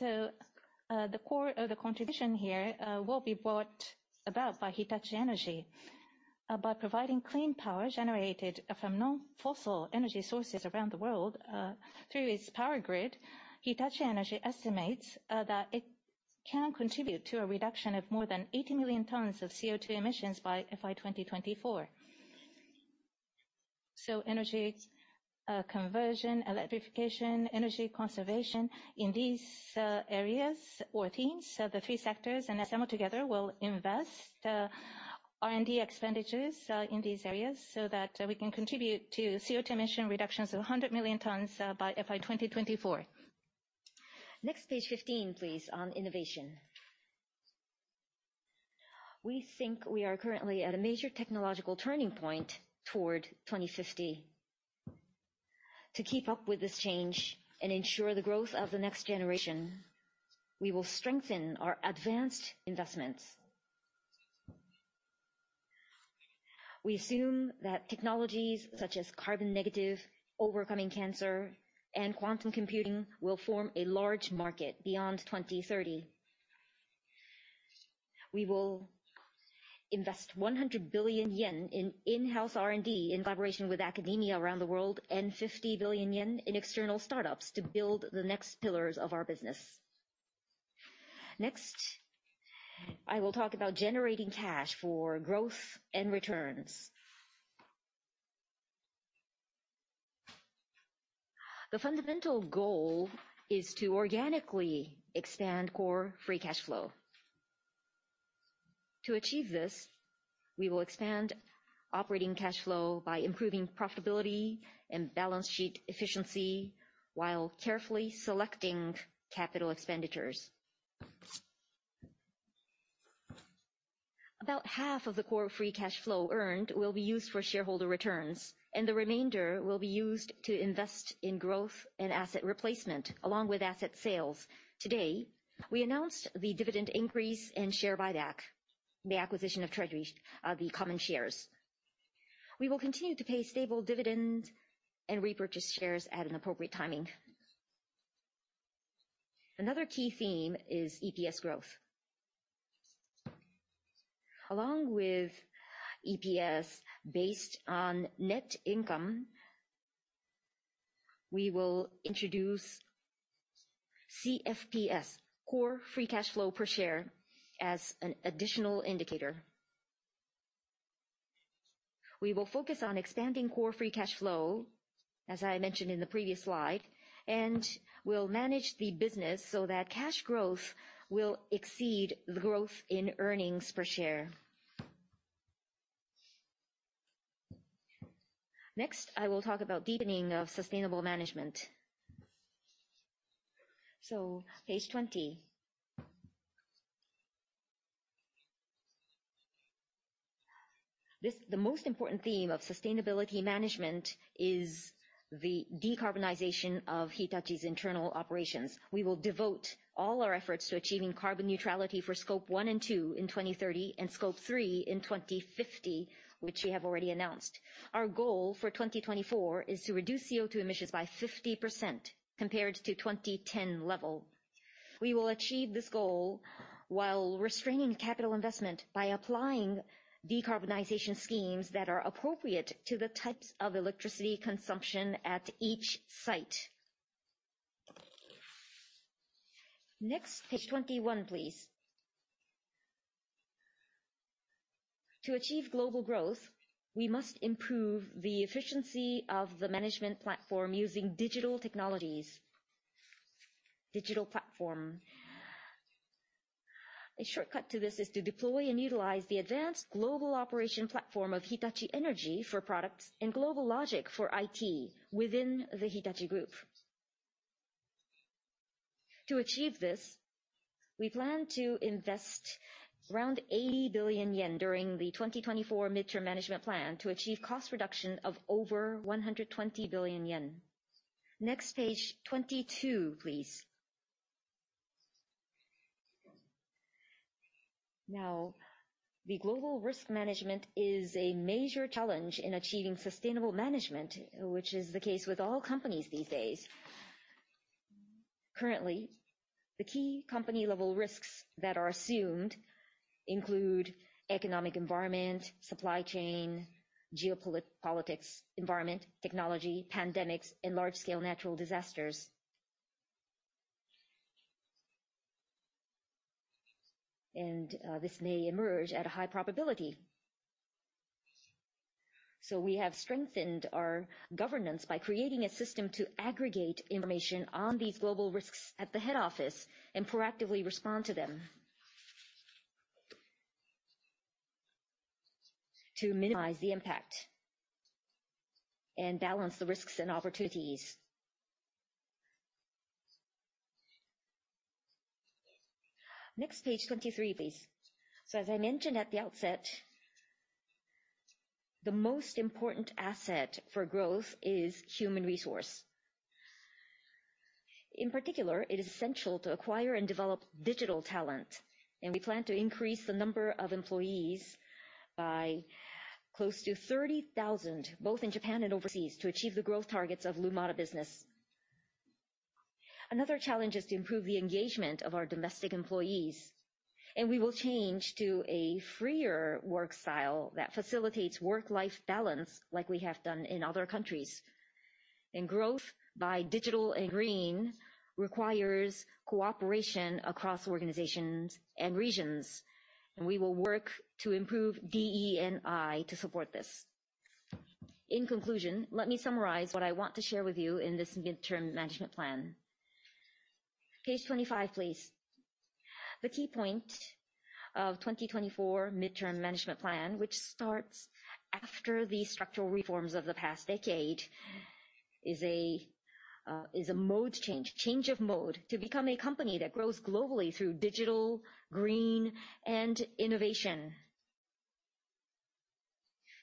The core of the contribution here will be brought about by Hitachi Energy. By providing clean power generated from non-fossil energy sources around the world, through its power grid, Hitachi Energy estimates that it can contribute to a reduction of more than 80 million tons of CO2 emissions by FY 2024. Energy conversion, electrification, energy conservation in these areas or themes. The three sectors and Hitachi Astemo together will invest R&D expenditures in these areas so that we can contribute to CO2 emission reductions of 100 million tons by FY 2024. Next, page 15, please, on innovation. We think we are currently at a major technological turning point toward 2050. To keep up with this change and ensure the growth of the next generation, we will strengthen our advanced investments. We assume that technologies such as carbon negative, overcoming cancer, and quantum computing will form a large market beyond 2030. We will invest 100 billion yen in-house R&D in collaboration with academia around the world, and 50 billion yen in external startups to build the next pillars of our business. Next, I will talk about generating cash for growth and returns. The fundamental goal is to organically expand core free cash flow. To achieve this, we will expand operating cash flow by improving profitability and balance sheet efficiency while carefully selecting capital expenditures. About half of the core free cash flow earned will be used for shareholder returns, and the remainder will be used to invest in growth and asset replacement, along with asset sales. Today, we announced the dividend increase and share buyback, the acquisition of treasury shares. We will continue to pay stable dividends and repurchase shares at an appropriate timing. Another key theme is EPS growth. Along with EPS based on net income, we will introduce CFPS, core free cash flow per share, as an additional indicator. We will focus on expanding core free cash flow, as I mentioned in the previous slide, and we'll manage the business so that cash growth will exceed the growth in earnings per share. Next, I will talk about deepening of sustainable management. Page 20. The most important theme of sustainability management is the decarbonization of Hitachi's internal operations. We will devote all our efforts to achieving carbon neutrality for Scope 1 and 2 in 2030 and Scope three in 2050, which we have already announced. Our goal for 2024 is to reduce CO2 emissions by 50% compared to 2010 level. We will achieve this goal. While restraining capital investment by applying decarbonization schemes that are appropriate to the types of electricity consumption at each site. Next, page 21, please. To achieve global growth, we must improve the efficiency of the management platform using digital technologies. Digital platform. A shortcut to this is to deploy and utilize the advanced global operation platform of Hitachi Energy for products and GlobalLogic for IT within the Hitachi Group. To achieve this, we plan to invest around 80 billion yen during the 2024 midterm management plan to achieve cost reduction of over 120 billion yen. Next, page 22, please. Now, the global risk management is a major challenge in achieving sustainable management, which is the case with all companies these days. Currently, the key company-level risks that are assumed include economic environment, supply chain, geopolitics, environment, technology, pandemics, and large-scale natural disasters. This may emerge at a high probability. We have strengthened our governance by creating a system to aggregate information on these global risks at the head office and proactively respond to them to minimize the impact and balance the risks and opportunities. Next, page 23, please. As I mentioned at the outset, the most important asset for growth is human resource. In particular, it is essential to acquire and develop digital talent, and we plan to increase the number of employees by close to 30,000, both in Japan and overseas, to achieve the growth targets of Lumada business. Another challenge is to improve the engagement of our domestic employees, and we will change to a freer work style that facilitates work-life balance like we have done in other countries. Growth by digital and green requires cooperation across organizations and regions, and we will work to improve DE&I to support this. In conclusion, let me summarize what I want to share with you in this midterm management plan. Page 25, please. The key point of 2024 midterm management plan, which starts after the structural reforms of the past decade, is a change of mode to become a company that grows globally through digital, green, and innovation.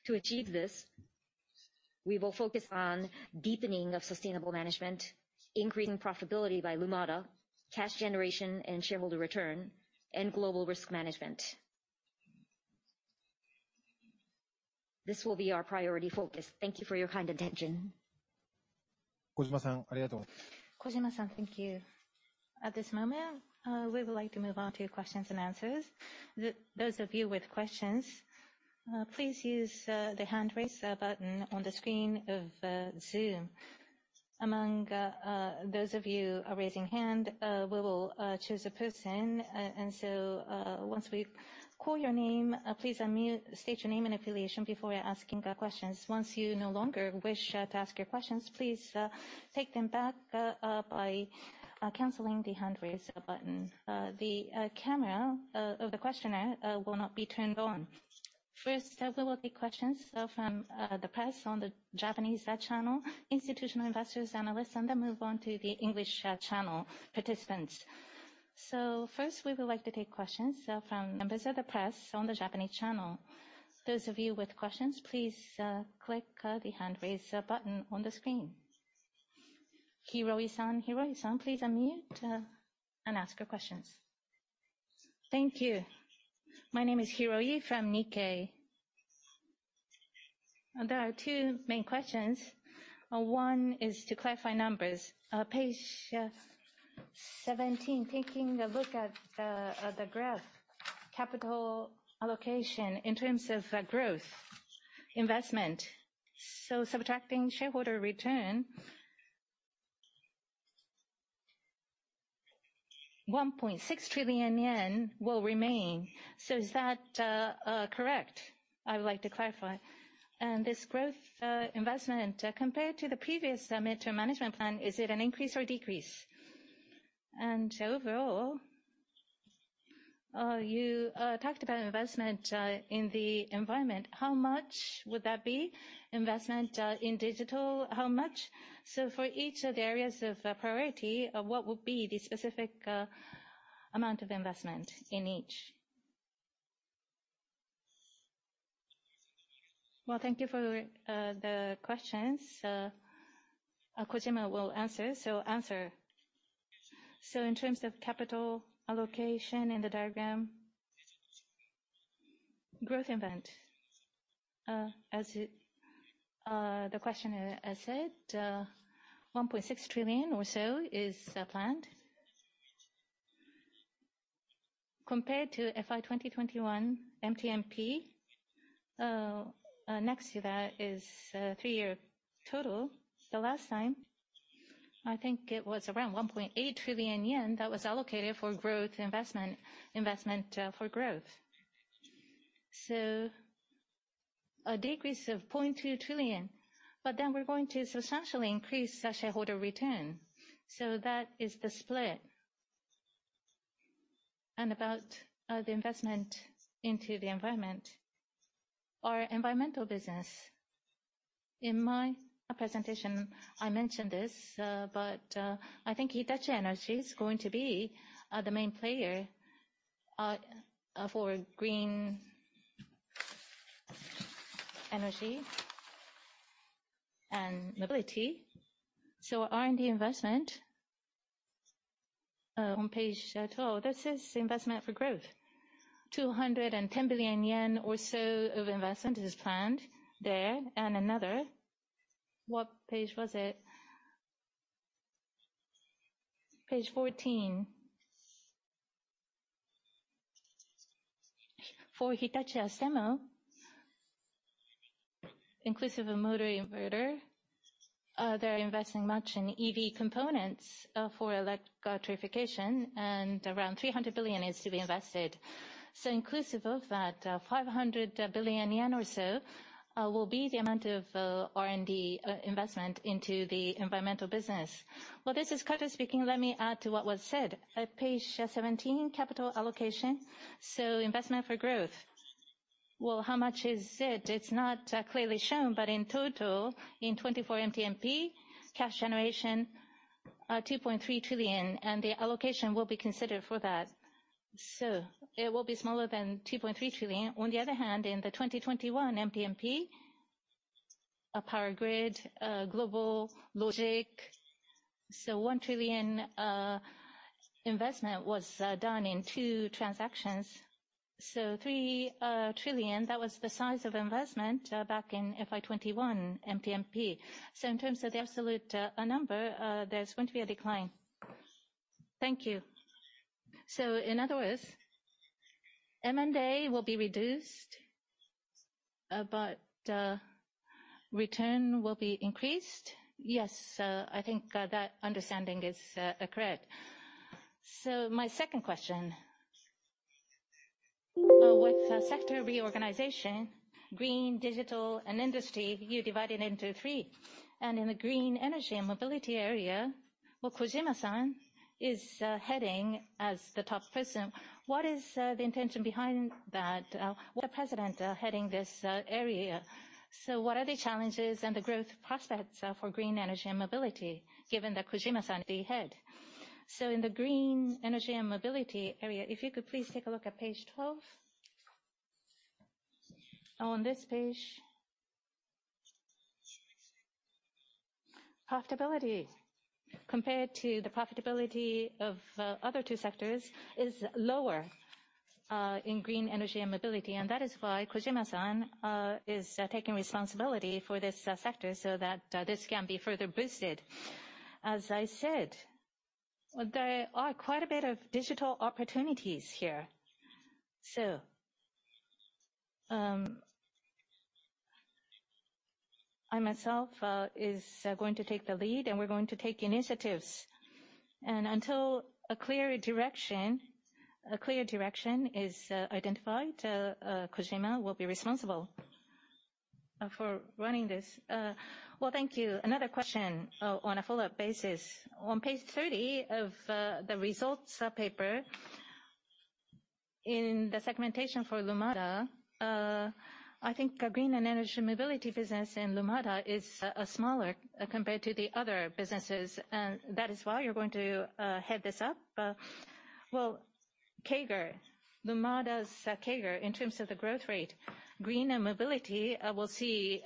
To achieve this, we will focus on deepening of sustainable management, increasing profitability by Lumada, cash generation and shareholder return, and global risk management. This will be our priority focus. Thank you for your kind attention. Kojima-san, thank you. At this moment, we would like to move on to questions and answers. Those of you with questions, please use the hand raise button on the screen of Zoom. Among those of you raising hand, we will choose a person. Once we call your name, please unmute, state your name and affiliation before asking questions. Once you no longer wish to ask your questions, please take them back by canceling the hand raise button. The camera of the questioner will not be turned on. First, we will take questions from the press on the Japanese channel, institutional investors, analysts, and then move on to the English channel participants. First, we would like to take questions from members of the press on the Japanese channel. Those of you with questions, please click the hand raise button on the screen. Hiroi-san, please unmute and ask your questions. Thank you. My name is Hiroi from Nikkei. There are two main questions. One is to clarify numbers. Page 17, taking a look at the graph, capital allocation in terms of growth investment, so subtracting shareholder return, JPY 1.6 trillion will remain. Is that correct? I would like to clarify. This growth investment, compared to the previous midterm management plan, is it an increase or decrease? Overall, you talked about investment in the environment. How much would that be? Investment in digital, how much? For each of the areas of priority, what would be the specific amount of investment in each? Well, thank you for the questions. Kojima will answer. In terms of capital allocation in the diagram- Growth investment. As the question has said, 1.6 trillion or so is planned. Compared to FY 2021 MTMP, next to that is three-year total. The last time, I think it was around 1.8 trillion yen that was allocated for growth investment for growth. A decrease of 0.2 trillion, but then we're going to substantially increase the shareholder return. That is the split. About the investment into the environment. Our environmental business, in my presentation, I mentioned this, but I think Hitachi Energy is going to be the main player for Green Energy & Mobility. R&D investment on page 12, that says investment for growth. 210 billion yen or so of investment is planned there. Another, what page was it? Page 14. For Hitachi Astemo, inclusive of motor inverter, they're investing much in EV components for electrification, and around 300 billion is to be invested. Inclusive of that, 500 billion yen or so will be the amount of R&D investment into the environmental business. Well, this is Kato speaking. Let me add to what was said. At page 17, capital allocation. Investment for growth. Well, how much is it? It's not clearly shown, but in total, in 2024 MTMP, cash generation 2.3 trillion, and the allocation will be considered for that. It will be smaller than 2.3 trillion. On the other hand, in the 2021 MTMP, a power grid, GlobalLogic. One trillion investment was done in two transactions. 3 trillion, that was the size of investment back in FY 2021 MTMP. In terms of the absolute number, there's going to be a decline. Thank you. In other words, M&A will be reduced, but return will be increased? Yes. I think that understanding is accurate. My second question. With sector reorganization, green, digital, and industry, you divided into three. In the Green Energy & Mobility area, well, Kojima-san is heading as the top person. What is the intention behind that? What president heading this area? What are the challenges and the growth prospects for Green Energy & Mobility given that Kojima-san be head? In the Green Energy & Mobility area, if you could please take a look at page 12. On this page, profitability compared to the profitability of other two sectors is lower in Green Energy & Mobility. That is why Kojima-san is taking responsibility for this sector so that this can be further boosted. As I said, there are quite a bit of digital opportunities here. I myself is going to take the lead, and we're going to take initiatives. Until a clear direction is identified, Kojima will be responsible for running this. Well, thank you. Another question on a follow-up basis. On page 30 of the results paper, in the segmentation for Lumada, I think our Green Energy & Mobility business in Lumada is smaller compared to the other businesses, and that is why you're going to head this up? Well, CAGR, Lumada's CAGR in terms of the growth rate, Green Energy & Mobility will see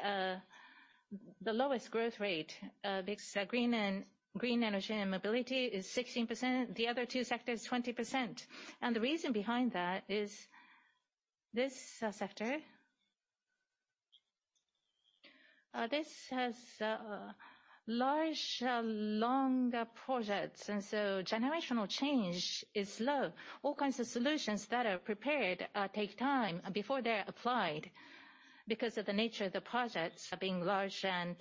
the lowest growth rate because Green Energy & Mobility is 16%, the other two sectors, 20%. The reason behind that is this sector. This has large longer projects and so generational change is low. All kinds of solutions that are prepared take time before they're applied because of the nature of the projects being large and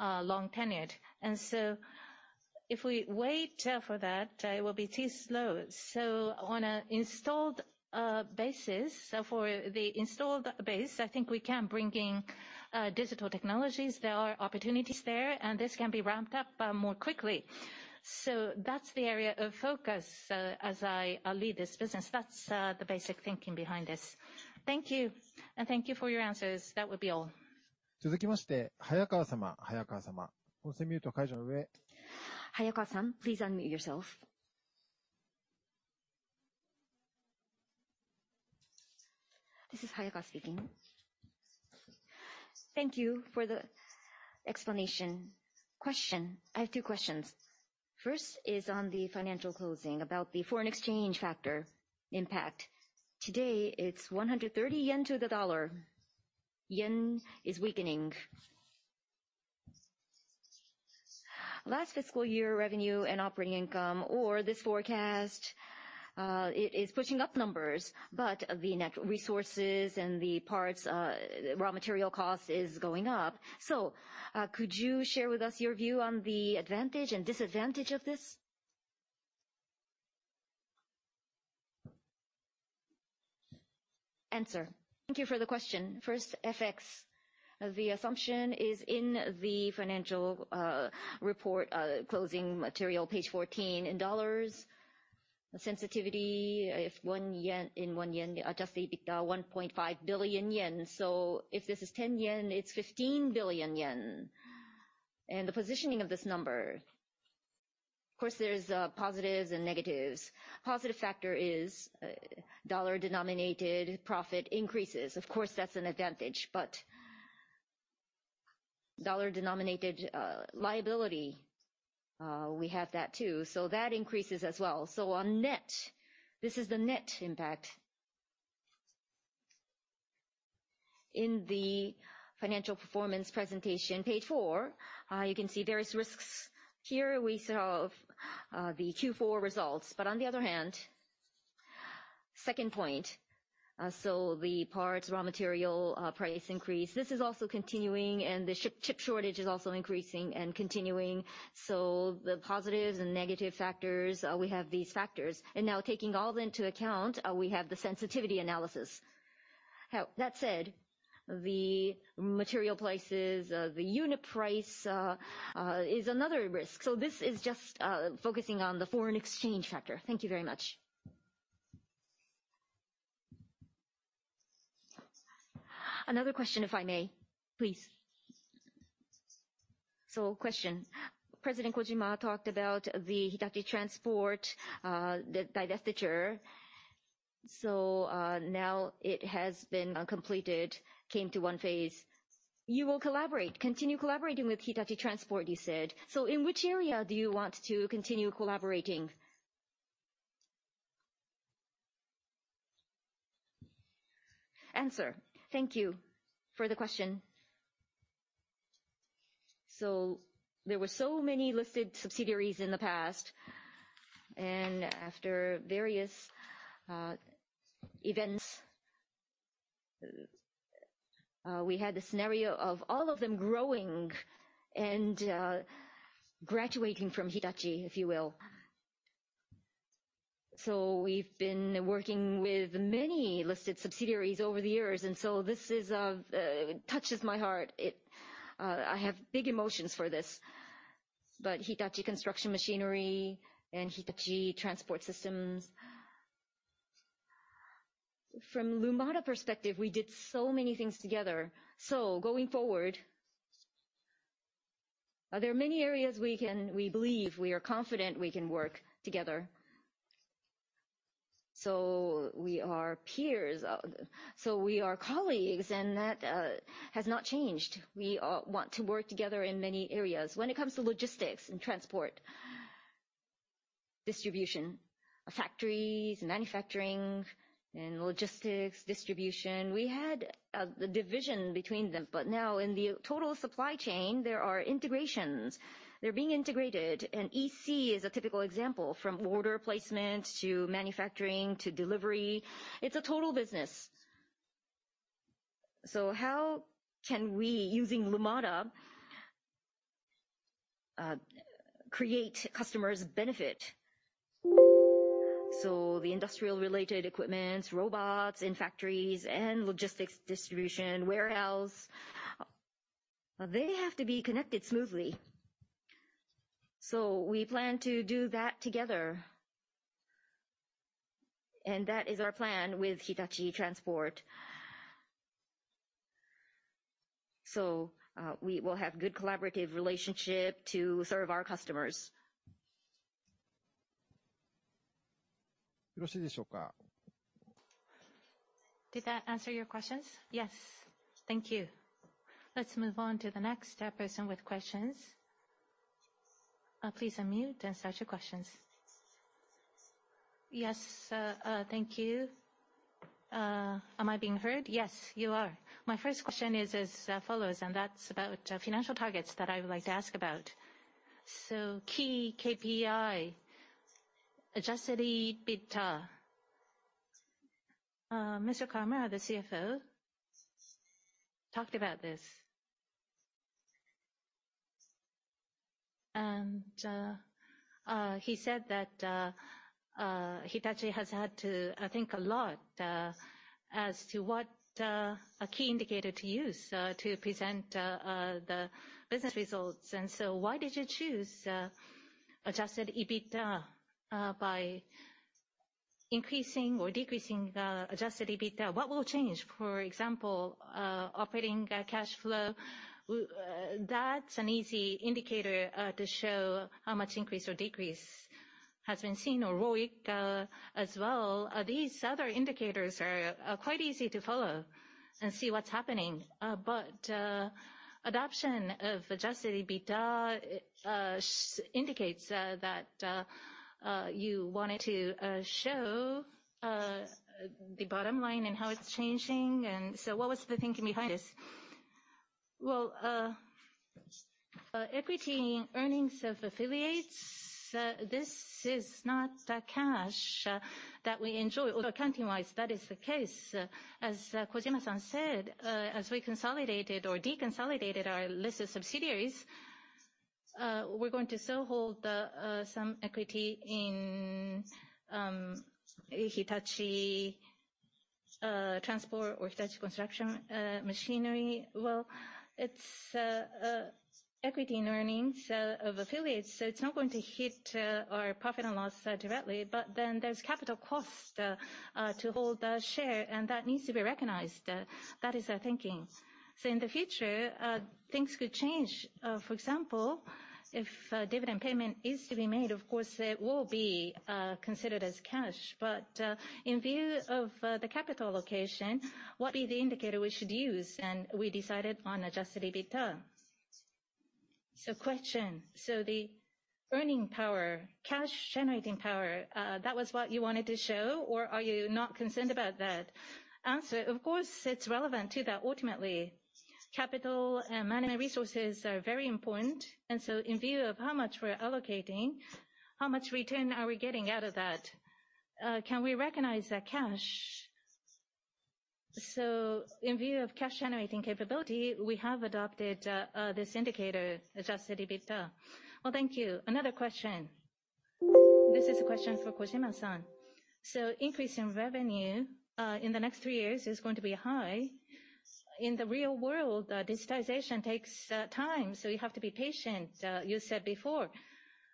long tenured. If we wait for that, it will be too slow. On an installed basis, for the installed base, I think we can bring in digital technologies. There are opportunities there, and this can be ramped up more quickly. That's the area of focus as I lead this business. That's the basic thinking behind this. Thank you. Thank you for your answers. That would be all. Hayakawa-san, please unmute yourself. This is Hayakawa speaking. Thank you for the explanation. I have two questions. First is on the financial closing about the foreign exchange factor impact. Today, it's 130 yen to the dollar. Yen is weakening. Last fiscal year revenue and operating income, or this forecast, it is pushing up numbers, but the net resources and the parts, raw material costs is going up. So, could you share with us your view on the advantage and disadvantage of this? Thank you for the question. First, FX. The assumption is in the financial, report, closing material, page 14 in dollars. Sensitivity, if one yen, Adjusted EBITA 1.5 billion yen. So if this is 10 yen, it's 15 billion yen. And the positioning of this number, of course, there's positives and negatives. Positive factor is dollar-denominated profit increases. Of course, that's an advantage, but dollar-denominated liability, we have that too, so that increases as well. So on net, this is the net impact. In the financial performance presentation, page four, you can see various risks. Here we saw the Q4 results, but on the other hand, second point, so the parts, raw material price increase, this is also continuing and the chip shortage is also increasing and continuing. So the positives and negative factors, we have these factors. Now taking all into account, we have the sensitivity analysis. That said, the material prices, the unit price, is another risk. So this is just focusing on the foreign exchange factor. Thank you very much. Another question, if I may. Please. So question. President Kojima talked about the Hitachi Transport System, the divestiture. Now it has been completed, came to one phase. You will continue collaborating with Hitachi Transport System, you said. In which area do you want to continue collaborating? Thank you for the question. There were so many listed subsidiaries in the past, and after various events, we had the scenario of all of them growing and graduating from Hitachi, if you will. We've been working with many listed subsidiaries over the years, and this touches my heart. It, I have big emotions for this. Hitachi Construction Machinery and Hitachi Transport System, from Lumada perspective, we did so many things together. Going forward, we believe, we are confident we can work together. We are peers. We are colleagues, and that has not changed. We all want to work together in many areas. When it comes to logistics and transport, distribution, factories, manufacturing and logistics, distribution, we had the division between them, but now in the total supply chain, there are integrations. They're being integrated, and EC is a typical example. From order placement to manufacturing to delivery, it's a total business. How can we, using Lumada, create customers benefit? The industrial related equipments, robots in factories and logistics distribution, warehouse, they have to be connected smoothly. We plan to do that together. That is our plan with Hitachi Transport. We will have good collaborative relationship to serve our customers. Did that answer your questions? Yes. Thank you. Let's move on to the next person with questions. Please unmute and start your questions. Yes. Thank you. Am I being heard? Yes, you are. My first question is as follows, that's about financial targets that I would like to ask about. Key KPI, Adjusted EBITA. Mr. Kawamura, the CFO, talked about this. He said that Hitachi has had to think a lot as to what a key indicator to use to present the business results. Why did you choose Adjusted EBITA? By increasing or decreasing Adjusted EBITA, what will change? For example, operating cash flow, that's an easy indicator to show how much increase or decrease has been seen, or ROIC, as well. These other indicators are quite easy to follow and see what's happening. Adoption of Adjusted EBITA indicates that you wanted to show the bottom line and how it's changing. What was the thinking behind this? Equity earnings of affiliates, this is not the cash that we enjoy. Although accounting-wise, that is the case. Kojima-san said, as we consolidated or deconsolidated our list of subsidiaries, we're going to still hold some equity in Hitachi Transport or Hitachi Construction Machinery. It's equity earnings of affiliates, so it's not going to hit our profit and loss directly. There's capital costs to hold a share, and that needs to be recognized. That is our thinking. In the future, things could change. For example, if a dividend payment is to be made, of course it will be considered as cash. In view of the capital allocation, what would be the indicator we should use? We decided on Adjusted EBITA. The earning power, cash generating power, that was what you wanted to show, or are you not concerned about that? Of course, it's relevant to that ultimately. Capital and management resources are very important, and in view of how much we're allocating, how much return are we getting out of that? Can we recognize that cash? In view of cash generating capability, we have adopted this indicator, Adjusted EBITA. Well, thank you. Another question. This is a question for Kojima-san. Increase in revenue in the next three years is going to be high. In the real world, digitization takes time, so you have to be patient, you said before.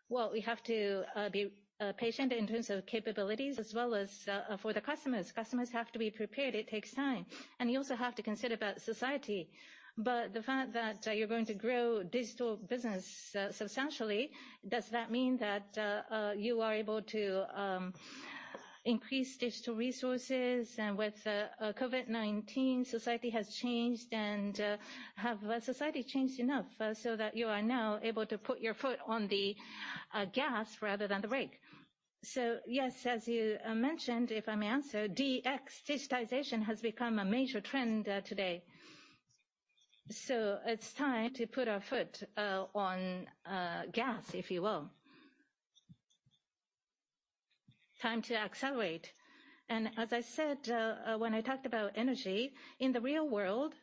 Well, we have to be patient in terms of capabilities as well as for the customers. Customers have to be prepared. It takes time. You also have to consider about society. The fact that you're going to grow digital business substantially, does that mean that you are able to increase digital resources? With COVID-19, society has changed. Have society changed enough so that you are now able to put your foot on the gas rather than the brake? Yes, as you mentioned, if I may answer, DX, digitization has become a major trend today. It's time to put our foot on gas, if you will. Time to accelerate. As I said, when I talked about energy, in the real world,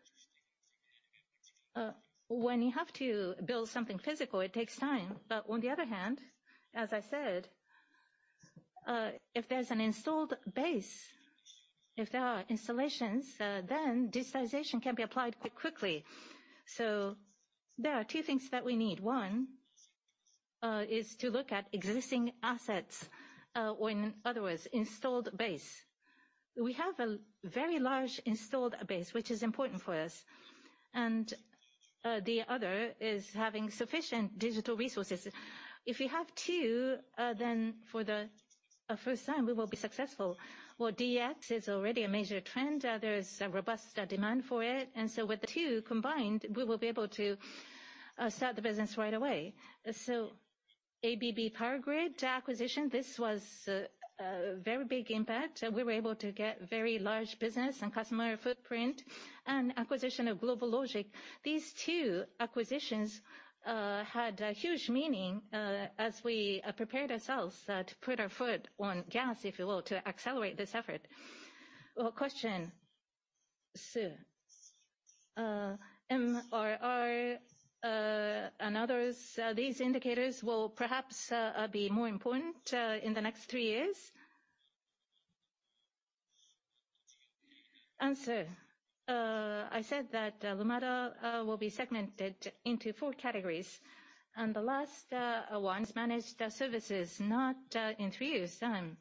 when you have to build something physical, it takes time. On the other hand, as I said, if there's an installed base, if there are installations, then digitization can be applied quite quickly. There are two things that we need. One is to look at existing assets, or in other words, installed base. We have a very large installed base, which is important for us. The other is having sufficient digital resources. If you have two, then for the first time we will be successful. Well, DX is already a major trend. There is a robust demand for it. With the two combined, we will be able to start the business right away. ABB Power Grids acquisition, this was a very big impact. We were able to get very large business and customer footprint. Acquisition of GlobalLogic, these two acquisitions had a huge meaning as we prepared ourselves to put our foot on gas, if you will, to accelerate this effort. Question. MRR and others, these indicators will perhaps be more important in the next three years? Answer. I said that Lumada will be segmented into four categories. The last one is managed services, not in three years time.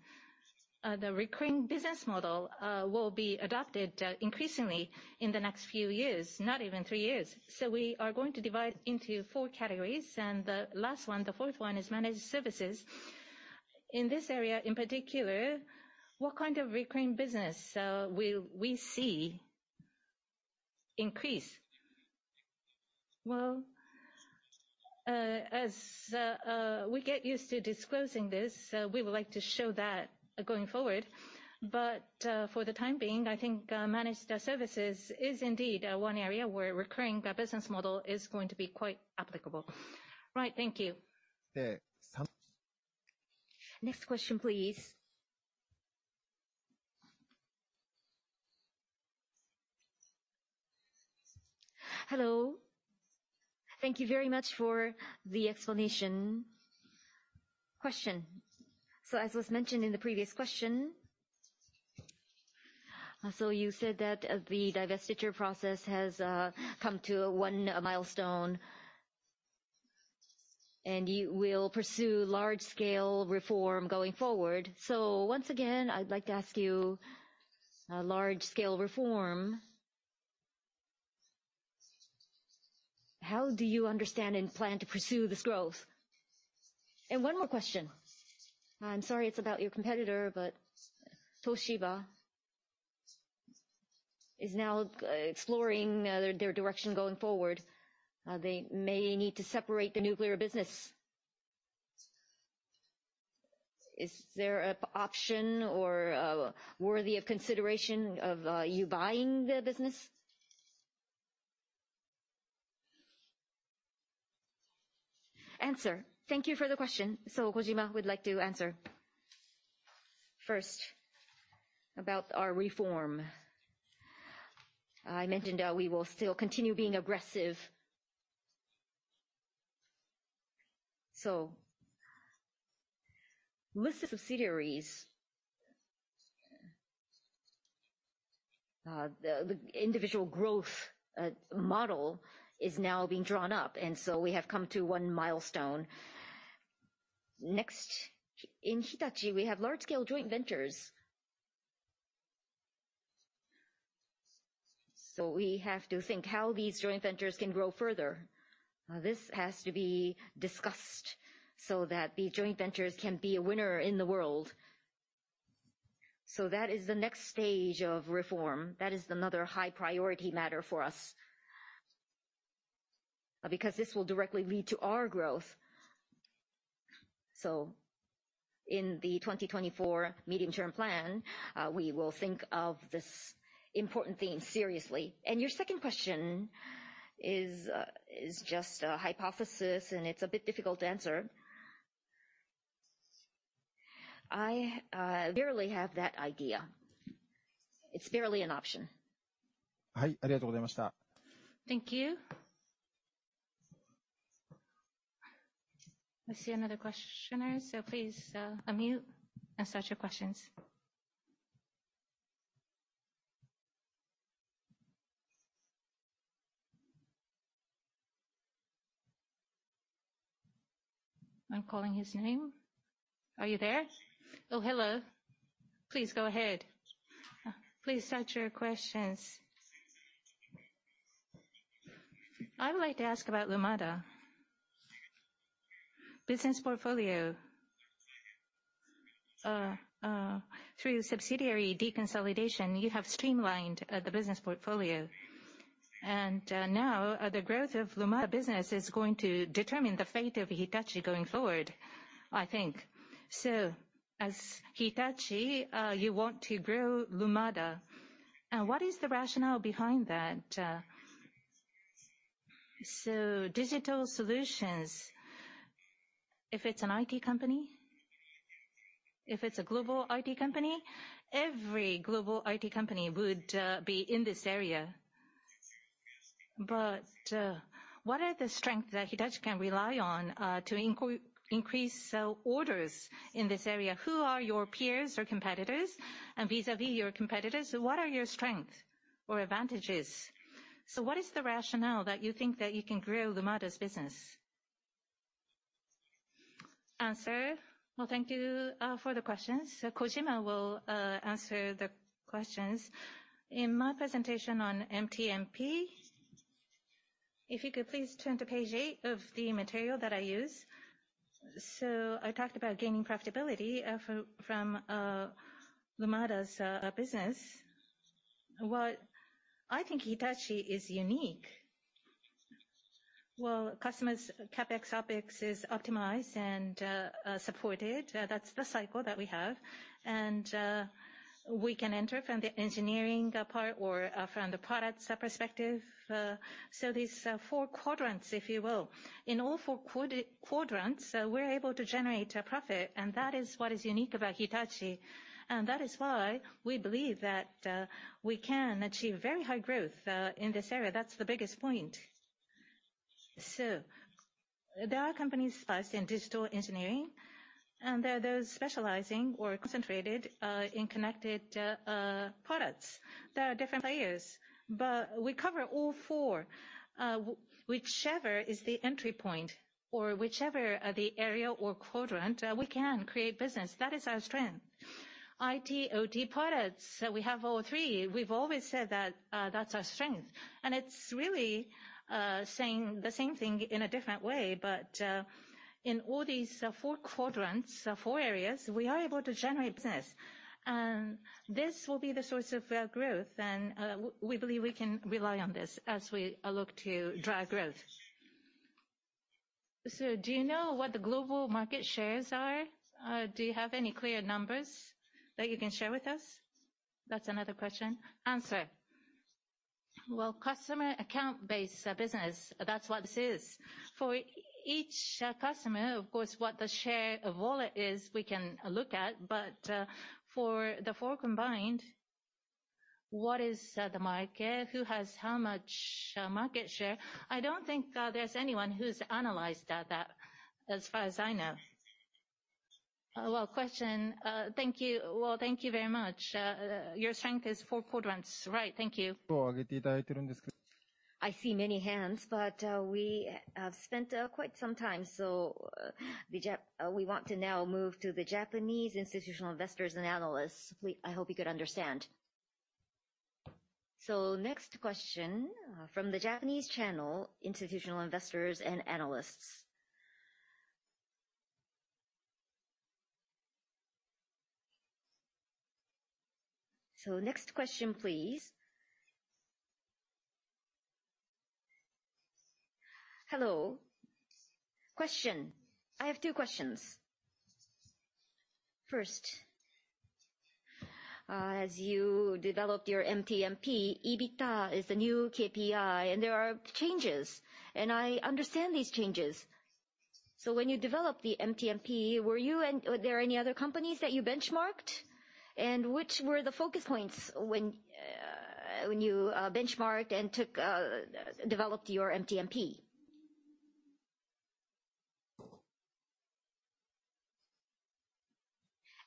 The recurring business model will be adopted increasingly in the next few years, not even three years. We are going to divide into four categories. The last one, the fourth one is managed services. In this area in particular, what kind of recurring business will we see increase? Well, as we get used to disclosing this, we would like to show that going forward. For the time being, I think, managed services is indeed, one area where recurring business model is going to be quite applicable. Right. Thank you. Next question, please. Hello. Thank you very much for the explanation. Question. As was mentioned in the previous question, so you said that the divestiture process has come to one milestone. You will pursue large scale reform going forward. Once again, I'd like to ask you, large scale reform, how do you understand and plan to pursue this growth? One more question. I'm sorry, it's about your competitor, but Toshiba is now exploring their direction going forward. They may need to separate the nuclear business. Is there an option or worthy of consideration of you buying the business? Answer. Thank you for the question. Kojima would like to answer. First, about our reform. I mentioned, we will still continue being aggressive. List of subsidiaries, the individual growth model is now being drawn up, and we have come to one milestone. Next, in Hitachi, we have large-scale joint ventures. We have to think how these joint ventures can grow further. This has to be discussed so that the joint ventures can be a winner in the world. That is the next stage of reform. That is another high priority matter for us, because this will directly lead to our growth. In the 2024 medium-term plan, we will think of this important theme seriously. Your second question is just a hypothesis, and it's a bit difficult to answer. I barely have that idea. It's barely an option. Thank you. I see another questioner. Please, unmute and start your questions. I'm calling his name. Are you there? Oh, hello. Please go ahead. Please start your questions. I would like to ask about Lumada business portfolio. Through subsidiary deconsolidation, you have streamlined the business portfolio. Now, the growth of Lumada business is going to determine the fate of Hitachi going forward, I think. As Hitachi, you want to grow Lumada. What is the rationale behind that? Digital solutions, if it's an IT company, if it's a global IT company, every global IT company would be in this area. What are the strength that Hitachi can rely on to increase sell orders in this area? Who are your peers or competitors? Vis-à-vis your competitors, what are your strengths or advantages? What is the rationale that you think that you can grow Lumada's business? Answer. Well, thank you for the questions. Kojima will answer the questions. In my presentation on MTMP, if you could please turn to page eight of the material that I use. I talked about gaining profitability from Lumada's business. What I think Hitachi is unique, well, customers' CapEx OpEx is optimized and supported. That's the cycle that we have. We can enter from the engineering part or from the products perspective. These four quadrants, if you will. In all four quadrants, we're able to generate a profit, and that is what is unique about Hitachi. That is why we believe that we can achieve very high growth in this area. That's the biggest point. There are companies specialized in digital engineering, and there are those specializing or concentrated in connected products. There are different players. We cover all four. Whichever is the entry point or whichever the area or quadrant we can create business. That is our strength. IT, OT products, we have all three. We've always said that's our strength. It's really saying the same thing in a different way. In all these four quadrants, four areas, we are able to generate business. This will be the source of our growth, and we believe we can rely on this as we look to drive growth. Do you know what the global market shares are? Do you have any clear numbers that you can share with us? That's another question. Answer. Well, customer account-based business, that's what this is. For each customer, of course, what the share of wallet is, we can look at. For the four combined, what is the market? Who has how much market share? I don't think there's anyone who's analyzed that, as far as I know. Well, question. Thank you. Well, thank you very much. Your strength is four quadrants, right? Thank you. I see many hands, but we have spent quite some time, so we want to now move to the Japanese institutional investors and analysts. I hope you could understand. Next question from the Japanese channel, institutional investors and analysts. Next question, please. Hello. Question. I have two questions. First, as you developed your MTMP, EBITDA is the new KPI and there are changes, and I understand these changes. When you developed the MTMP, were there any other companies that you benchmarked? And which were the focus points when you benchmarked and took developed your MTMP?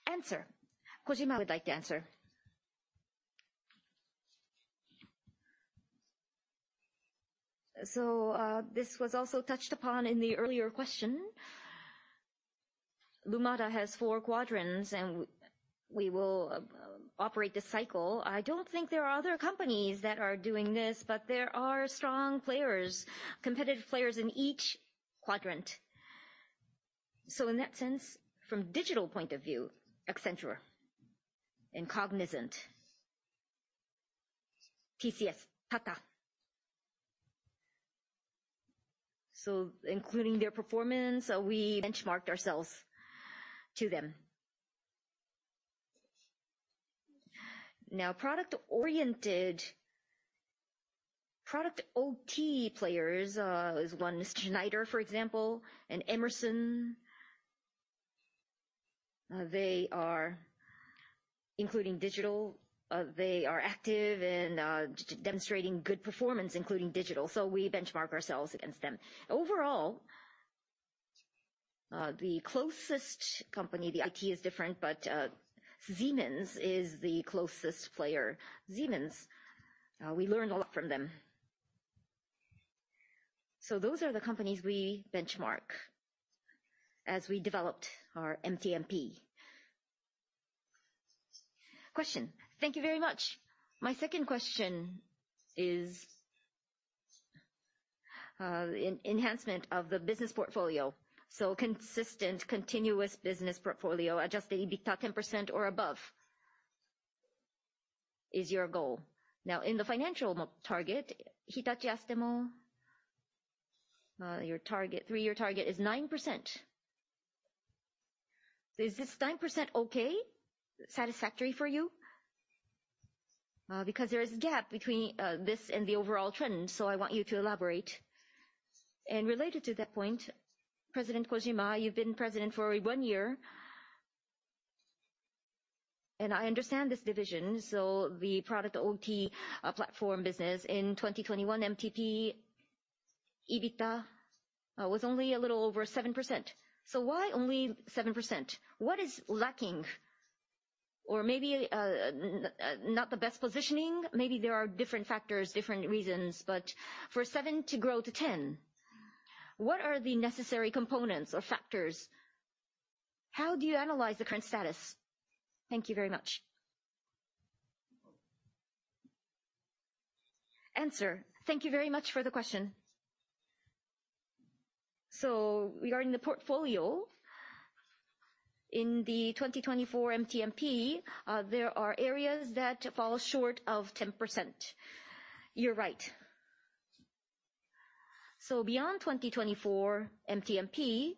Answer. Kojima would like to answer. This was also touched upon in the earlier question. Lumada has four quadrants, and we will operate this cycle. I don't think there are other companies that are doing this, but there are strong players, competitive players in each quadrant. In that sense, from digital point of view, Accenture and Cognizant, TCS, Tata. Including their performance, we benchmarked ourselves to them. Now, product-oriented, product OT players is one. Schneider, for example, and Emerson. They are including digital. They are active and demonstrating good performance, including digital, so we benchmark ourselves against them. Overall, the closest company, the IT is different, but Siemens is the closest player. Siemens, we learn a lot from them. Those are the companies we benchmark as we developed our MTMP. Question. Thank you very much. My second question is, enhancement of the business portfolio, so consistent continuous business portfolio, Adjusted EBITA 10% or above is your goal. Now, in the financial target, Hitachi Astemo, your target, three-year target is 9%. Is this 9% okay, satisfactory for you? Because there is a gap between this and the overall trend, so I want you to elaborate. Related to that point, President Kojima, you've been president for one year. I understand this division, so the product OT platform business in 2021 MTMP, EBITA was only a little over 7%. Why only 7%? What is lacking? Or maybe not the best positioning. Maybe there are different factors, different reasons, but for 7% to grow to 10%, what are the necessary components or factors? How do you analyze the current status? Thank you very much for the question. Regarding the portfolio, in the 2024 MTMP, there are areas that fall short of 10%. You're right. Beyond 2024 MTMP,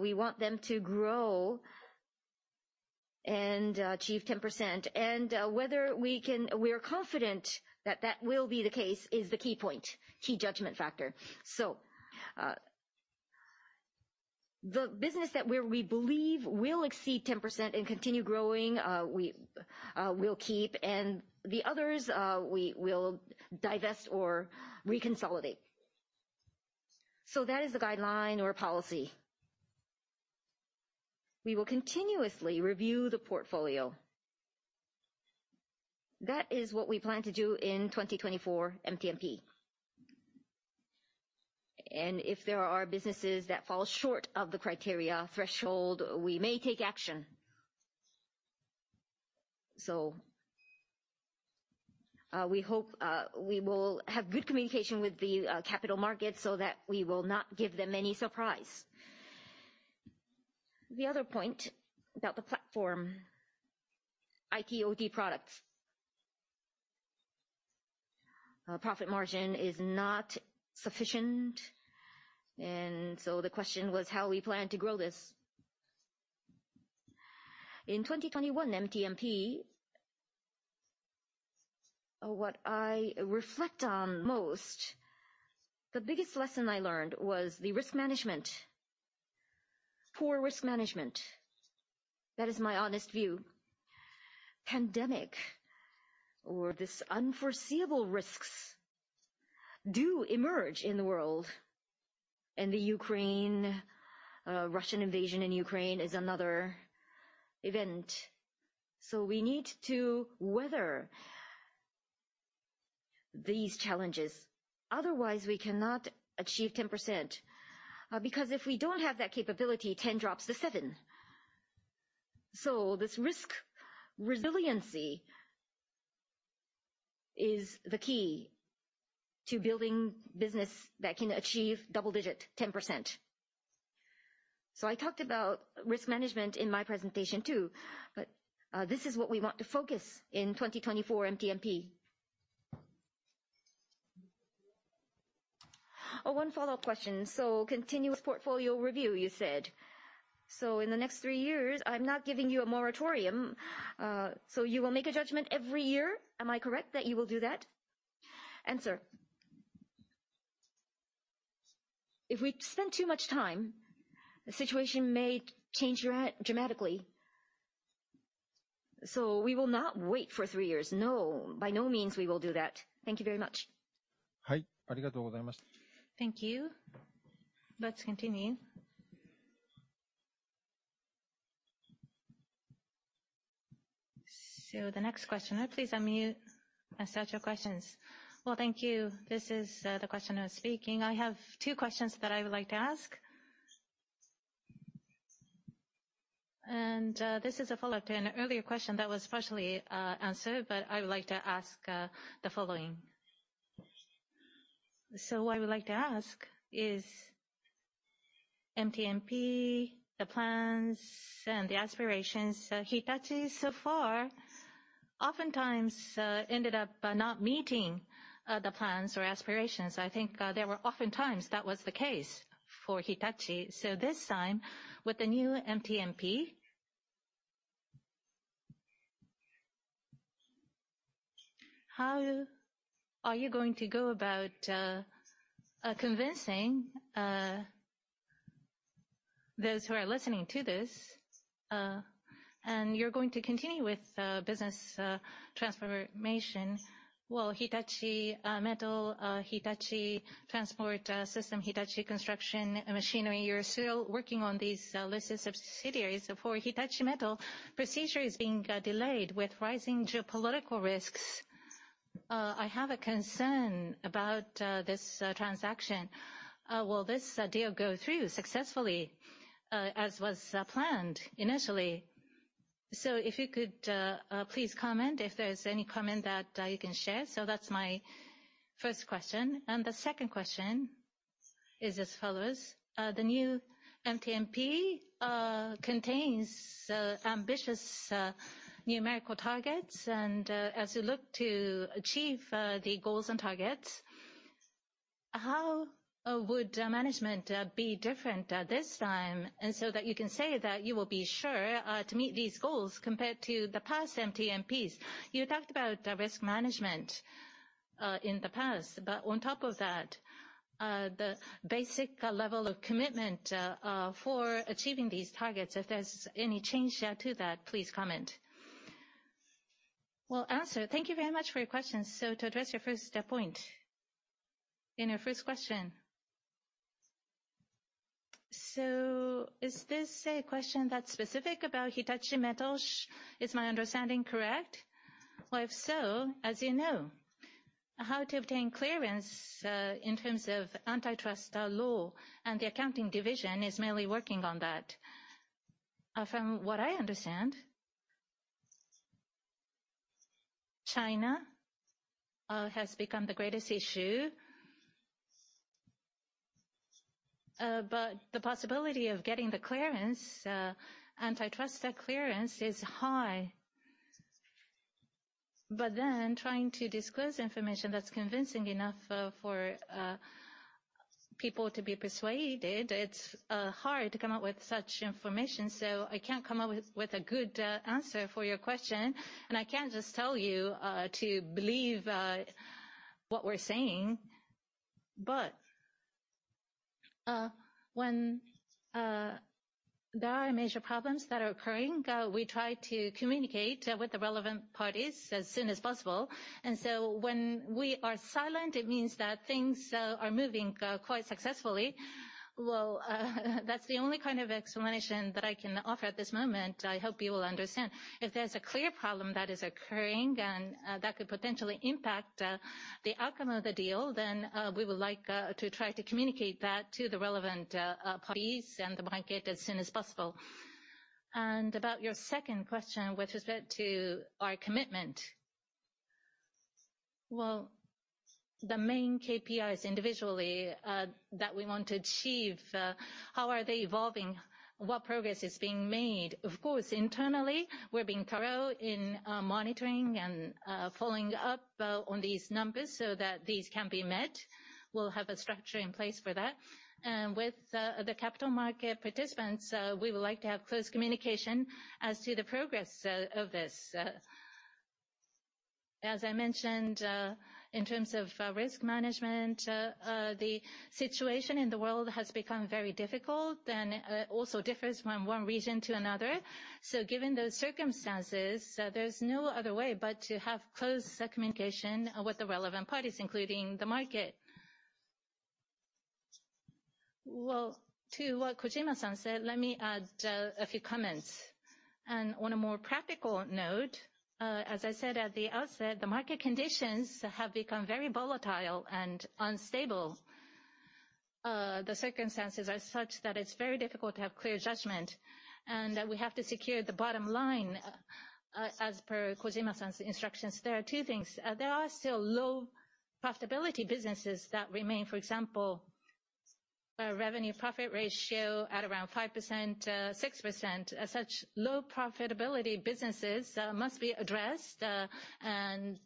we want them to grow and achieve 10%. We are confident that that will be the case is the key point, key judgment factor. The business that we believe will exceed 10% and continue growing, we will keep, and the others, we will divest or reconsolidate. That is the guideline or policy. We will continuously review the portfolio. That is what we plan to do in 2024 MTMP. If there are businesses that fall short of the criteria threshold, we may take action. We hope we will have good communication with the capital market so that we will not give them any surprise. The other point about the platform IT/OT products. Profit margin is not sufficient, and so the question was how we plan to grow this. In 2021 MTMP, what I reflect on most, the biggest lesson I learned was the risk management. Poor risk management. That is my honest view. Pandemic or this unforeseeable risks. Do emerge in the world, and the Russian invasion in Ukraine is another event. We need to weather these challenges, otherwise we cannot achieve 10%. Because if we don't have that capability, 10% drops to 7%. This risk resiliency is the key to building business that can achieve double digit, 10%. I talked about risk management in my presentation too, but this is what we want to focus in 2024 MTMP. Oh, one follow-up question. Continuous portfolio review you said. In the next three years I'm not giving you a moratorium, so you will make a judgment every year, am I correct that you will do that? Answer. If we spend too much time, the situation may change dramatically. We will not wait for three years. No. By no means we will do that. Thank you very much. Thank you. Let's continue. The next question. Please unmute and state your questions. Well, thank you. This is the questioner speaking. I have two questions that I would like to ask. This is a follow-up to an earlier question that was partially answered, but I would like to ask the following. What I would like to ask is MTMP, the plans and the aspirations. Hitachi so far oftentimes ended up not meeting the plans or aspirations. I think there were often times that was the case for Hitachi. This time, with the new MTMP, how are you going to go about convincing those who are listening to this, and you're going to continue with business transformation. Well, Hitachi Metals, Hitachi Transport System, Hitachi Construction Machinery, you're still working on these listed subsidiaries. For Hitachi Metals, procedure is being delayed with rising geopolitical risks. I have a concern about this transaction. Will this deal go through successfully as was planned initially? If you could please comment if there's any comment that you can share. That's my first question. The second question is as follows: the new MTMP contains ambitious numerical targets. As you look to achieve the goals and targets, how would management be different this time and so that you can say that you will be sure to meet these goals compared to the past MTMPs? You talked about risk management in the past, but on top of that, the basic level of commitment for achieving these targets, if there's any change to that, please comment. We'll answer. Thank you very much for your questions. To address your first point in your first question. Is this a question that's specific about Hitachi Metals? Is my understanding correct? Well, if so, as you know, how to obtain clearance in terms of antitrust law and the accounting division is mainly working on that. From what I understand, China has become the greatest issue. But the possibility of getting the clearance, antitrust clearance is high. But then trying to disclose information that's convincing enough for people to be persuaded, it's hard to come up with such information. I can't come up with a good answer for your question. I can't just tell you to believe what we're saying. When there are major problems that are occurring, we try to communicate with the relevant parties as soon as possible. When we are silent, it means that things are moving quite successfully. Well, that's the only kind of explanation that I can offer at this moment. I hope you will understand. If there's a clear problem that is occurring and that could potentially impact the outcome of the deal, then we would like to try to communicate that to the relevant parties and the market as soon as possible. About your second question with respect to our commitment. Well, the main KPIs individually that we want to achieve, how are they evolving? What progress is being made? Of course, internally, we're being thorough in monitoring and following up on these numbers so that these can be met. We'll have a structure in place for that. With the capital market participants, we would like to have close communication as to the progress of this. As I mentioned, in terms of risk management, the situation in the world has become very difficult and also differs from one region to another. Given those circumstances, there's no other way but to have close communication with the relevant parties, including the market. Well, to what Kojima-san said, let me add a few comments. On a more practical note, as I said at the outset, the market conditions have become very volatile and unstable. The circumstances are such that it's very difficult to have clear judgment, and we have to secure the bottom line, as per Kojima-san's instructions. There are two things. There are still low profitability businesses that remain. For example, a revenue profit ratio at around 5%, 6%. Such low profitability businesses must be addressed and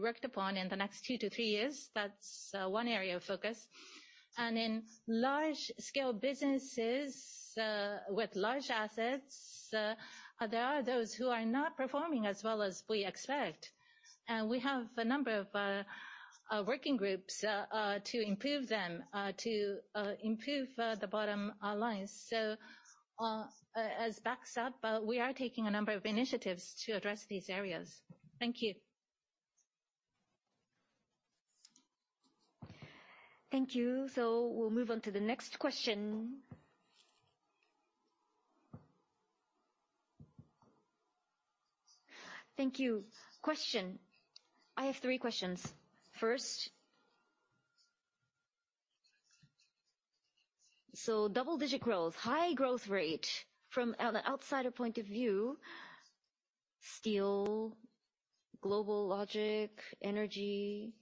worked upon in the next two to three years. That's one area of focus. In large scale businesses with large assets, there are those who are not performing as well as we expect. We have a number of working groups to improve them to improve the bottom lines. As backstop, we are taking a number of initiatives to address these areas. Thank you. Thank you. We'll move on to the next question. Thank you. Question. I have three questions. First, double-digit growth, high growth rate from an outsider point of view, steel, GlobalLogic, energy.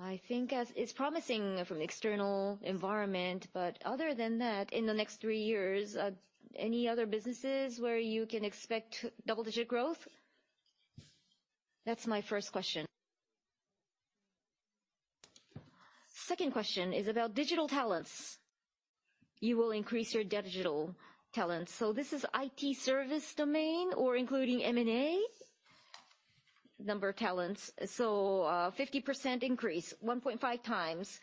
I think as it's promising from the external environment, but other than that, in the next three years, any other businesses where you can expect double-digit growth? That's my first question. Second question is about digital talents. You will increase your digital talents. This is IT service domain or including M&A number of talents. Fifty percent increase, 1.5 times.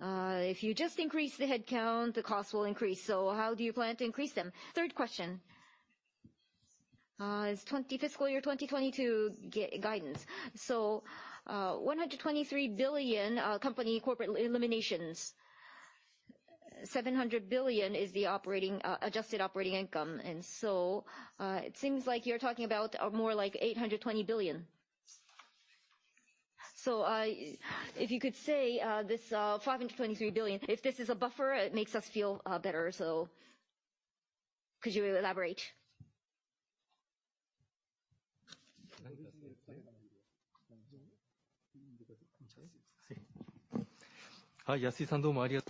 If you just increase the headcount, the cost will increase. How do you plan to increase them? Third question is twenty, fiscal year 2022 guidance. One hundred and twenty-three billion company corporate eliminations. Seven hundred billion is the operating adjusted operating income. It seems like you're talking about more like 820 billion. If you could say this 523 billion, if this is a buffer, it makes us feel better. Could you elaborate? Answer.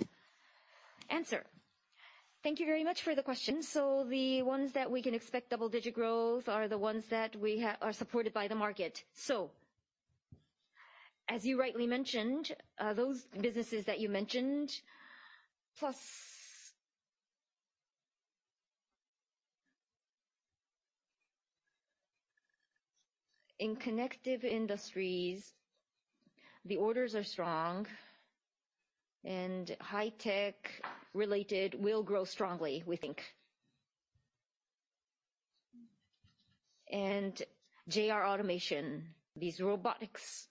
Thank you very much for the question. The ones that we can expect double-digit growth are the ones that we are supported by the market. As you rightly mentioned, those businesses that you mentioned, plus in Connective Industries, the orders are strong and Hitachi High-Tech related will grow strongly, we think. JR Automation, these robotics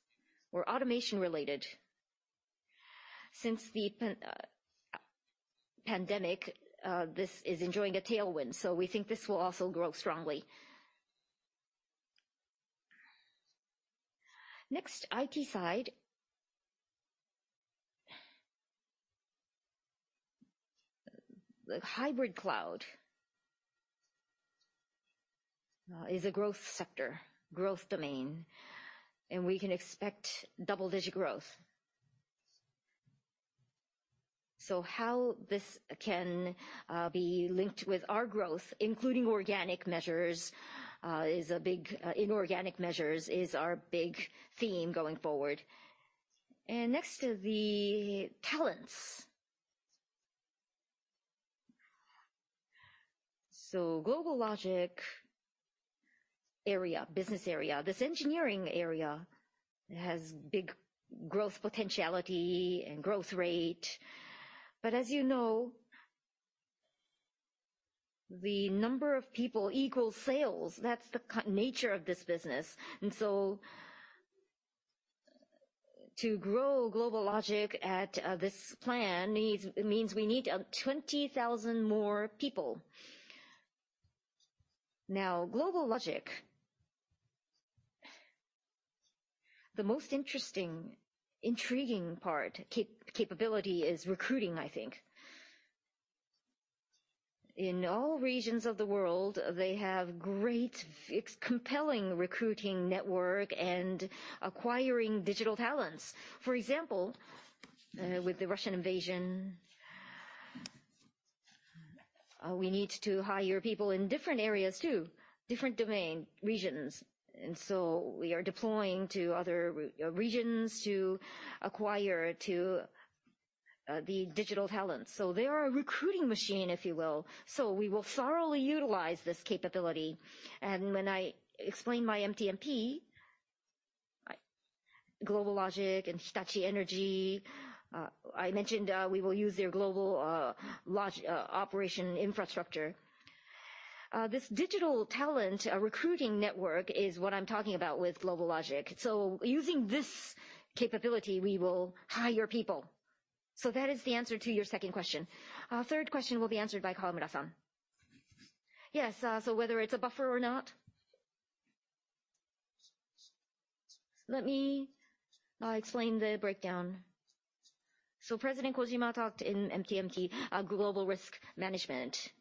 or automation related. Since the pandemic, this is enjoying a tailwind, we think this will also grow strongly. Next, IT side. The hybrid cloud is a growth sector, growth domain, and we can expect double-digit growth. How this can be linked with our growth, including organic measures, is a big inorganic measures is our big theme going forward. Next to the talents. GlobalLogic area, business area, this engineering area has big growth potentiality and growth rate. As you know, the number of people equals sales. That's the key nature of this business. To grow GlobalLogic at this plan means we need 20,000 more people. Now, GlobalLogic, the most interesting, intriguing part, capability is recruiting, I think. In all regions of the world, they have great, compelling recruiting network and acquiring digital talents. For example, with the Russian invasion, we need to hire people in different areas too, different domain regions. We are deploying to other regions to acquire. The digital talent. They are a recruiting machine, if you will. We will thoroughly utilize this capability. When I explain my MTMP, GlobalLogic and Hitachi Energy, I mentioned, we will use their global, Logic, operation infrastructure. This digital talent recruiting network is what I'm talking about with GlobalLogic. Using this capability, we will hire people. That is the answer to your second question. Third question will be answered by Kawamura-san. Yes, whether it's a buffer or not. Let me explain the breakdown. President Kojima talked in MTMP global risk management.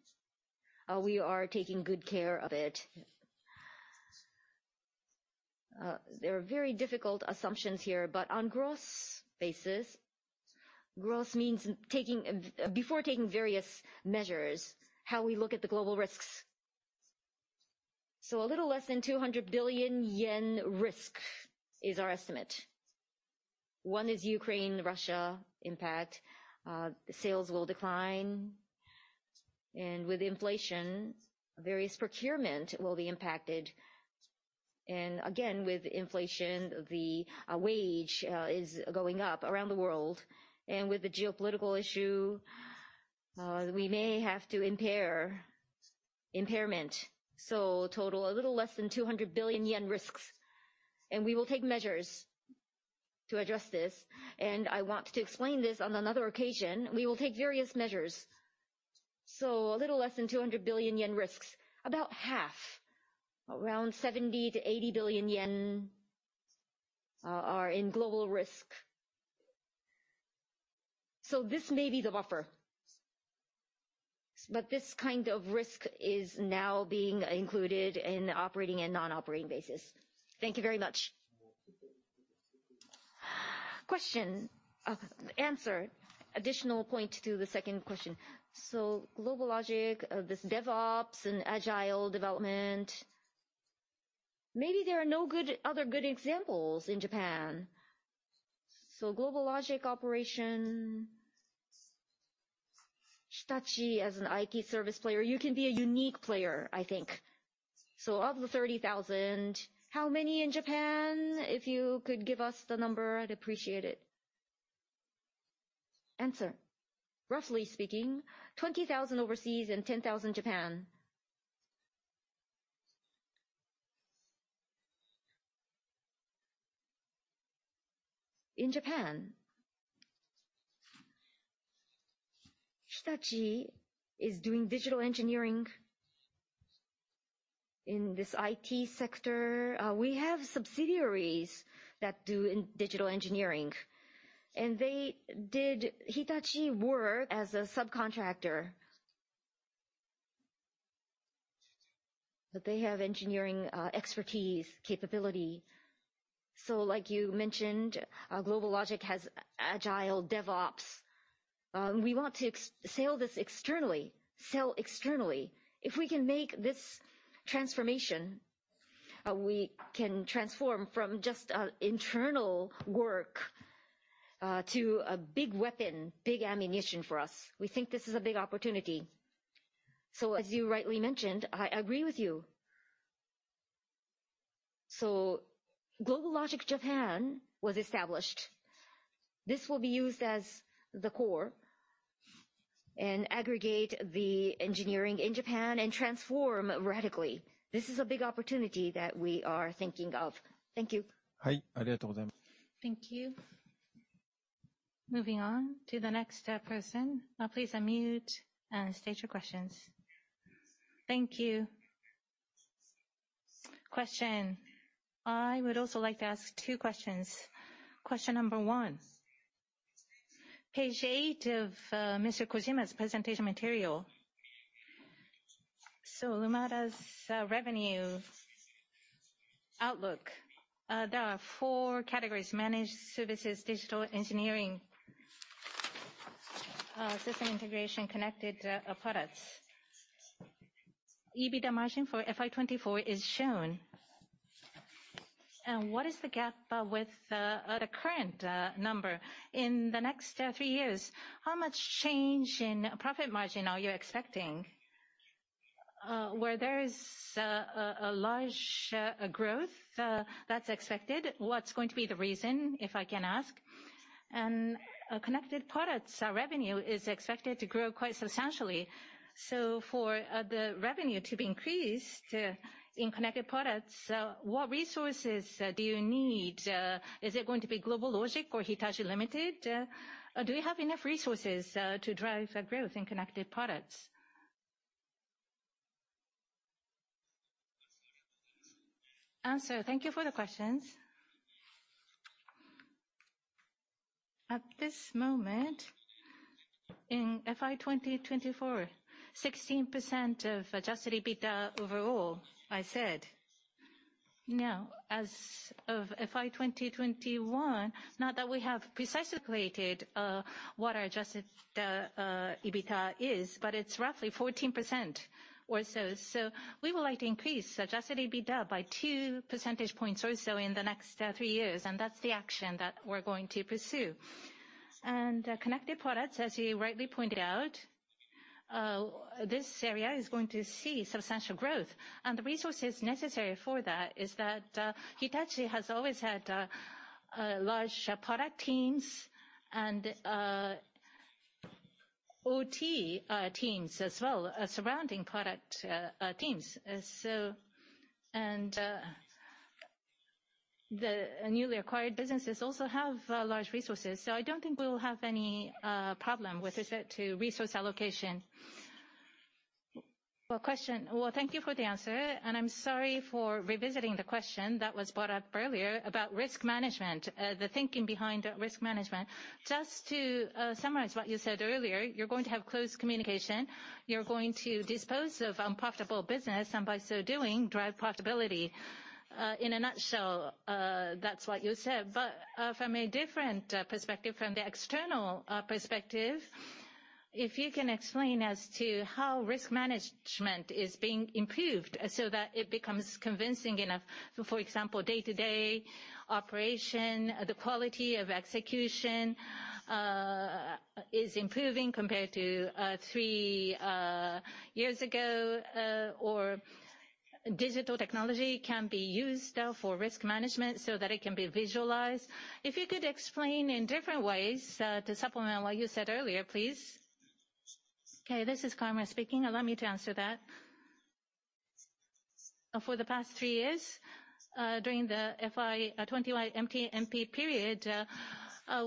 We are taking good care of it. There are very difficult assumptions here, but on gross basis, gross means before taking various measures, how we look at the global risks. A little less than 200 billion yen risk is our estimate. One is Ukraine-Russia impact. Sales will decline. With inflation, various procurement will be impacted. Again, with inflation, the wage is going up around the world. With the geopolitical issue, we may have to impairment. Total a little less than 200 billion yen risks. We will take measures to address this. I want to explain this on another occasion. We will take various measures. A little less than 200 billion yen risks. About half, around 70 billion-80 billion yen, are in global risk. This may be the buffer. This kind of risk is now being included in operating and non-operating basis. Thank you very much. Question. Answer. Additional point to the second question. GlobalLogic, this DevOps and agile development, maybe there are no other good examples in Japan. GlobalLogic operation, Hitachi as an IT service player, you can be a unique player, I think. Of the 30,000, how many in Japan? If you could give us the number, I'd appreciate it. Answer. Roughly speaking, 20,000 overseas and 10,000 Japan. In Japan, Hitachi is doing digital engineering in this IT sector. We have subsidiaries that do digital engineering, and they did Hitachi work as a subcontractor. They have engineering expertise capability. Like you mentioned, GlobalLogic has agile DevOps. We want to sell this externally, sell externally. If we can make this transformation, we can transform from just an internal work to a big weapon, big ammunition for us. We think this is a big opportunity. As you rightly mentioned, I agree with you. GlobalLogic Japan was established. This will be used as the core and aggregate the engineering in Japan and transform radically. This is a big opportunity that we are thinking of. Thank you. Thank you. Moving on to the next person. Please unmute and state your questions. Thank you. Question. I would also like to ask two questions. Question number one, page eight of Mr. Kojima's presentation material. Lumada's revenue outlook, there are four categories Managed services, digital engineering, system integration, connected products. EBITDA margin for FY 2024 is shown. What is the gap with the current number? In the next three years, how much change in profit margin are you expecting? Where there is a large growth that's expected, what's going to be the reason, if I can ask? Connected products revenue is expected to grow quite substantially. For the revenue to be increased in connected products, what resources do you need? Is it going to be GlobalLogic or Hitachi, Ltd.? Do we have enough resources to drive growth in connected products? Thank you for the questions. At this moment in FY 2024, 16% of Adjusted EBITA overall, I said. Now, as of FY 2021, not that we have precisely created, what our adjusted, EBITA is, but it's roughly 14% or so. We would like to increase Adjusted EBITA by 2 percentage points or so in the next, three years, and that's the action that we're going to pursue. Connected products, as you rightly pointed out This area is going to see substantial growth. The resources necessary for that is that Hitachi has always had large product teams and OT teams as well surrounding product teams. The newly acquired businesses also have large resources, so I don't think we will have any problem with respect to resource allocation. Well, question. Well, thank you for the answer, and I'm sorry for revisiting the question that was brought up earlier about risk management, the thinking behind risk management. Just to summarize what you said earlier, you're going to have close communication. You're going to dispose of unprofitable business, and by so doing, drive profitability. In a nutshell, that's what you said. From a different perspective, from the external perspective, if you can explain as to how risk management is being improved so that it becomes convincing enough. For example, day-to-day operation, the quality of execution is improving compared to three years ago, or digital technology can be used for risk management so that it can be visualized. If you could explain in different ways to supplement what you said earlier, please. Okay, this is Kawamura speaking. Allow me to answer that. For the past three years, during the FY 21 MP period,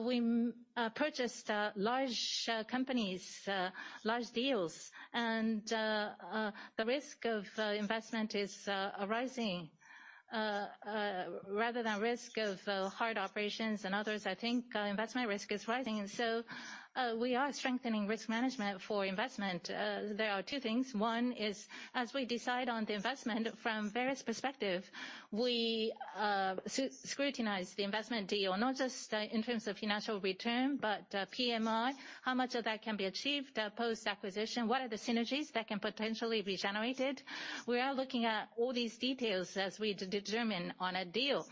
we purchased large companies, large deals, and the risk of investment is rising. Rather than risks of fraud, operations and others, I think investment risk is rising, and so we are strengthening risk management for investment. There are two things. One is, as we decide on the investment from various perspectives, we scrutinize the investment deal, not just in terms of financial return, but PMI, how much of that can be achieved post-acquisition. What are the synergies that can potentially be generated? We are looking at all these details as we determine on a deal.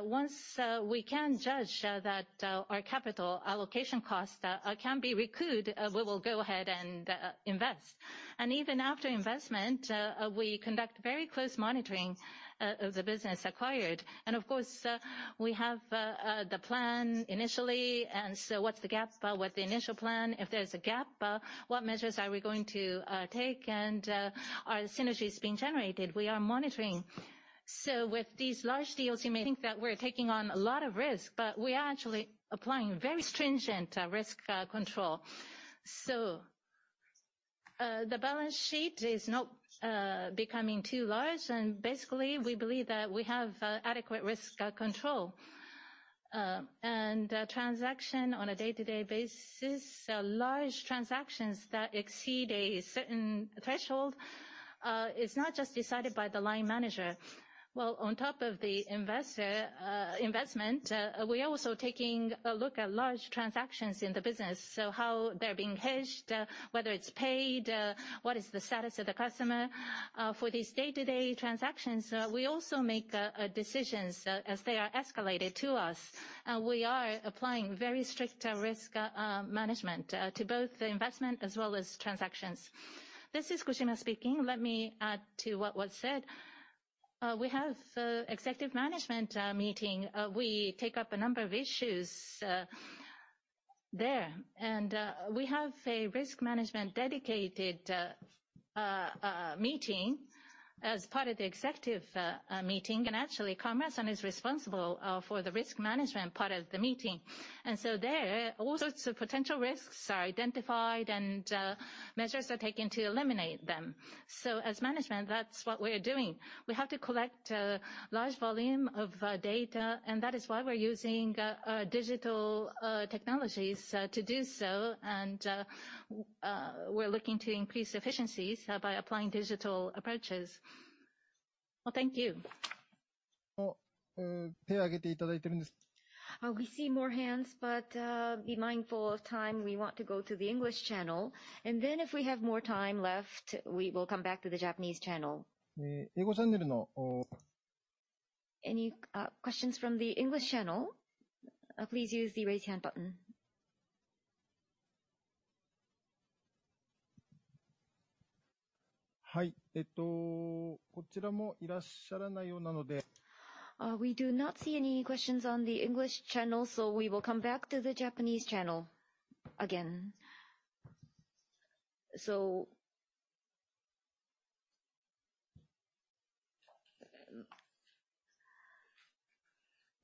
Once we can judge that our capital allocation cost can be recouped, we will go ahead and invest. Even after investment, we conduct very close monitoring of the business acquired. Of course, we have the plan initially. What's the gap with the initial plan? If there's a gap, what measures are we going to take and are synergies being generated? We are monitoring. With these large deals, you may think that we're taking on a lot of risk, but we are actually applying very stringent risk control. The balance sheet is not becoming too large, and basically, we believe that we have adequate risk control. Transactions on a day-to-day basis, large transactions that exceed a certain threshold, is not just decided by the line manager. Well, on top of the investor investment, we're also taking a look at large transactions in the business. How they're being hedged, whether it's paid, what is the status of the customer. For these day-to-day transactions, we also make decisions as they are escalated to us. We are applying very strict risk management to both the investment as well as transactions. This is Kojima speaking. Let me add to what was said. We have executive management meeting. We take up a number of issues there. We have a risk management dedicated meeting as part of the executive meeting. Actually, Kawamura-san is responsible for the risk management part of the meeting. There, all sorts of potential risks are identified, and measures are taken to eliminate them. As management, that's what we're doing. We have to collect large volume of data, and that is why we're using digital technologies to do so. We're looking to increase efficiencies by applying digital approaches. Well, thank you. We see more hands, but be mindful of time. We want to go to the English channel, and then if we have more time left, we will come back to the Japanese channel. Any questions from the English channel? Please use the raise hand button. We do not see any questions on the English channel, so we will come back to the Japanese channel again.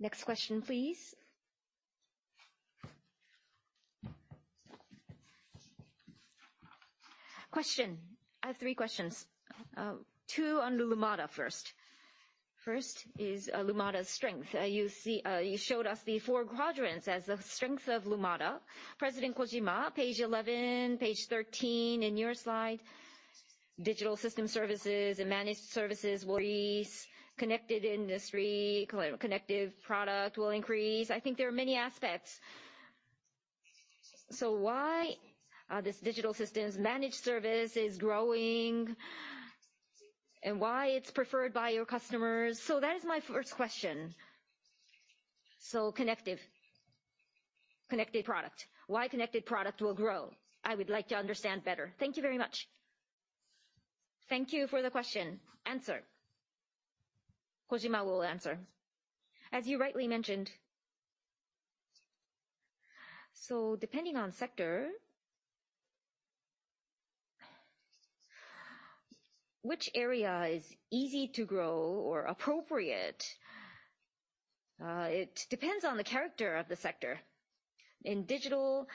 Next question, please. I have three questions. Two on Lumada first. First is Lumada's strength. You see, you showed us the four quadrants as the strength of Lumada. President Kojima, page 11, page 13 in your slide, Digital Systems & Services and managed services will increase. Connective Industries will increase. I think there are many aspects. Why this Digital Systems & Services managed service is growing, and why it's preferred by your customers? That is my first question. Connective Industries. Why Connective Industries will grow, I would like to understand better. Thank you very much. Thank you for the question. Kojima will answer. As you rightly mentioned, depending on sector, which area is easy to grow or appropriate, it depends on the character of the sector. In digital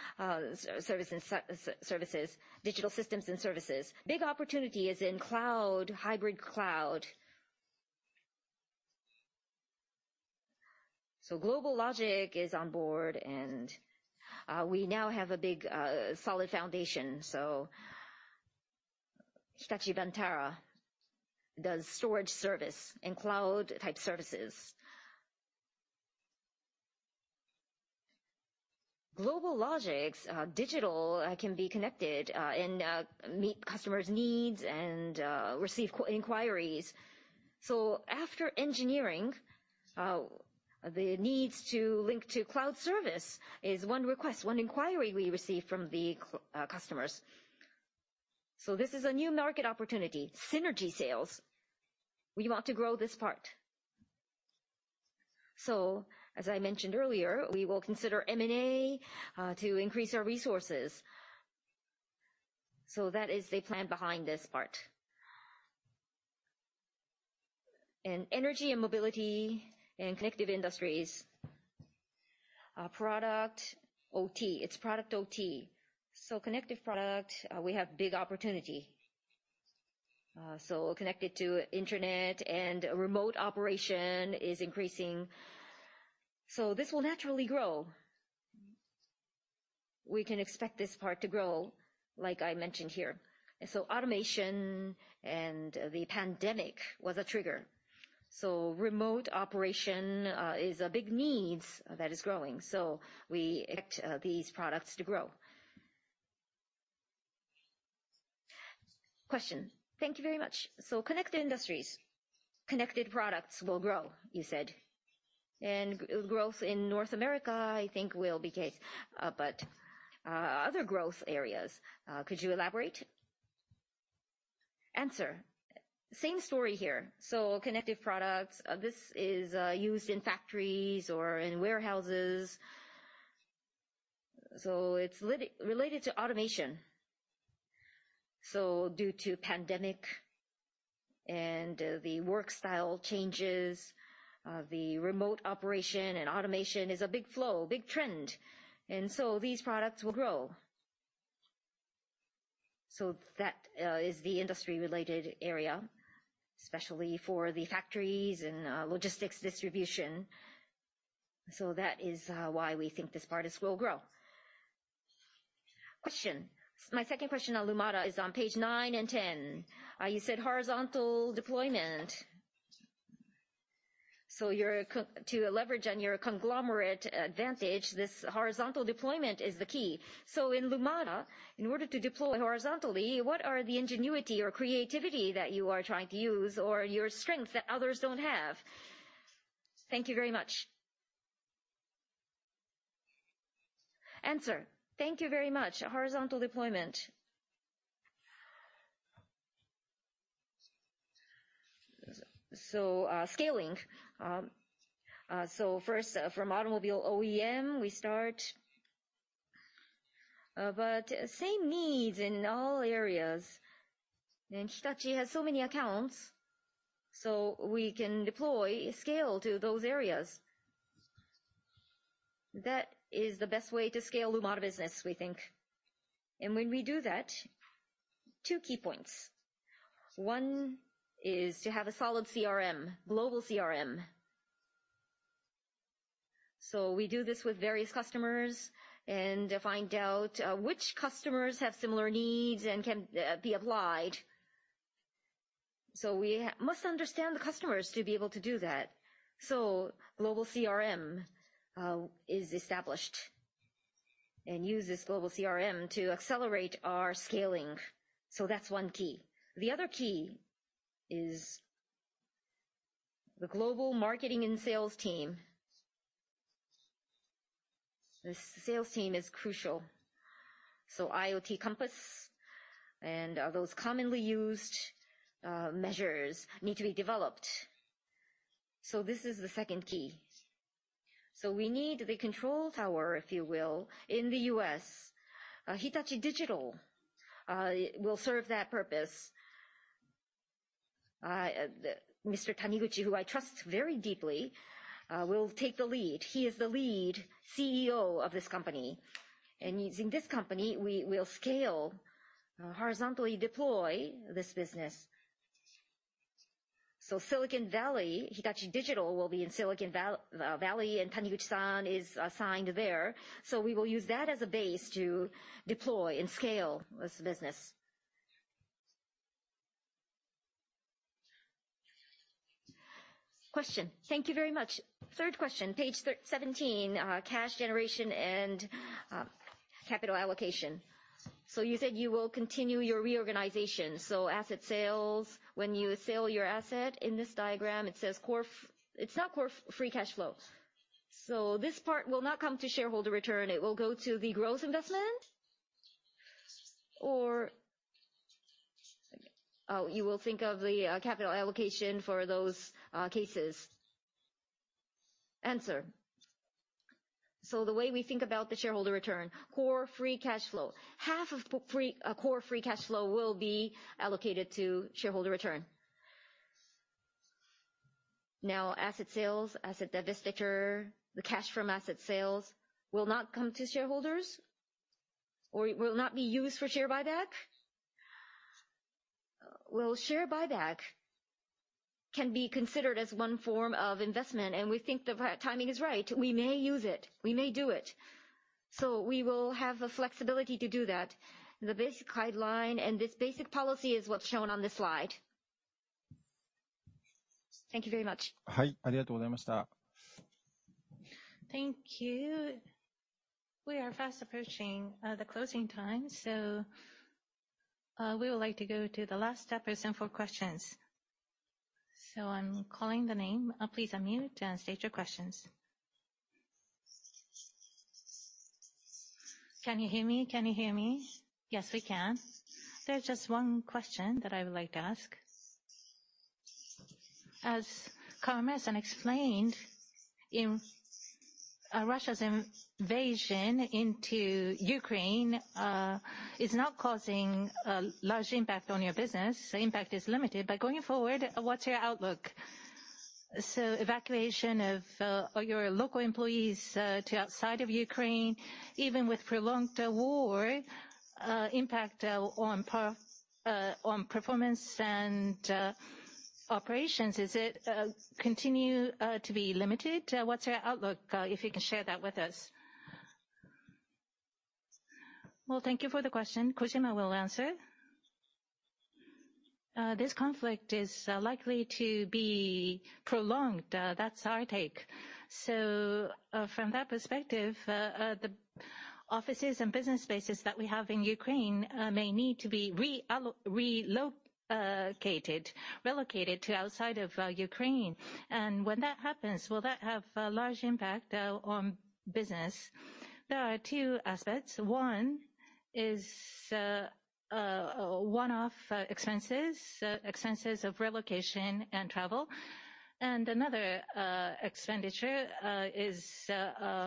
service and services, Digital Systems & Services, big opportunity is in cloud, hybrid cloud. GlobalLogic is on board and we now have a big solid foundation. Hitachi Vantara does storage service and cloud type services. GlobalLogic's digital can be connected and meet customers' needs and receive inquiries. After engineering the needs to link to cloud service is one request, one inquiry we receive from the customers. This is a new market opportunity, synergy sales. We want to grow this part. As I mentioned earlier, we will consider M&A to increase our resources. That is the plan behind this part. Energy and mobility and connected industries. Our product OT, it's product OT. Connected product, we have big opportunity. Connected to internet and remote operation is increasing, so this will naturally grow. We can expect this part to grow, like I mentioned here. Automation and the pandemic was a trigger. Remote operation is a big needs that is growing, so we expect these products to grow. Question. Thank you very much. Connective Industries, connected products will grow, you said. Growth in North America, I think will be case, but other growth areas could you elaborate? Answer. Same story here. Connected products this is used in factories or in warehouses, so it's related to automation. Due to pandemic and the work style changes, the remote operation and automation is a big flow, big trend. These products will grow. That is the industry related area, especially for the factories and logistics distribution. That is why we think this part will grow. My second question on Lumada is on page nine and 10. You said horizontal deployment. You're to leverage on your conglomerate advantage, this horizontal deployment is the key. In Lumada, in order to deploy horizontally, what are the ingenuity or creativity that you are trying to use or your strength that others don't have? Thank you very much. Thank you very much. Horizontal deployment. Scaling. First, from automobile OEM, we start. But same needs in all areas. Hitachi has so many accounts, so we can deploy scale to those areas. That is the best way to scale Lumada business, we think. When we do that, two key points. One is to have a solid CRM, global CRM. We do this with various customers and find out which customers have similar needs and can be applied. We must understand the customers to be able to do that. Global CRM is established and use this global CRM to accelerate our scaling. That's one key. The other key is the global marketing and sales team. The sales team is crucial, so IoT Compass and those commonly used measures need to be developed. This is the second key. We need the control tower, if you will, in the U.S. Hitachi Digital will serve that purpose. Mr. Taniguchi, who I trust very deeply, will take the lead. He is the lead CEO of this company. Using this company, we will scale, horizontally deploy this business. Silicon Valley, Hitachi Digital will be in Silicon Valley, and Taniguchi-san is assigned there. We will use that as a base to deploy and scale this business. Thank you very much. Third question, page 17, cash generation and capital allocation. You said you will continue your reorganization. Asset sales, when you sell your asset in this diagram, it says it's not core free cash flow. This part will not come to shareholder return, it will go to the growth investment? Or, you will think of the capital allocation for those cases? The way we think about the shareholder return, core free cash flow. Half of core free cash flow will be allocated to shareholder return. Now, asset sales, asset divestiture, the cash from asset sales will not come to shareholders or will not be used for share buyback. Well, share buyback can be considered as one form of investment, and we think the timing is right. We may use it. We may do it. We will have the flexibility to do that. The basic guideline and this basic policy is what's shown on this slide. Thank you very much. Thank you. We are fast approaching the closing time. We would like to go to the last step is for questions. I'm calling the name. Please unmute and state your questions. Can you hear me? Can you hear me? Yes, we can. There's just one question that I would like to ask. As Kawamura explained, Russia's invasion into Ukraine is not causing a large impact on your business. The impact is limited. Going forward, what's your outlook? Evacuation of your local employees to outside of Ukraine, even with prolonged war impact on performance and operations, is it continue to be limited? What's your outlook if you can share that with us? Well, thank you for the question. Kojima will answer. This conflict is likely to be prolonged. That's our take. From that perspective, the offices and business spaces that we have in Ukraine may need to be relocated to outside of Ukraine. When that happens, will that have a large impact on business? There are two aspects. One is one-off expenses of relocation and travel. Another expenditure is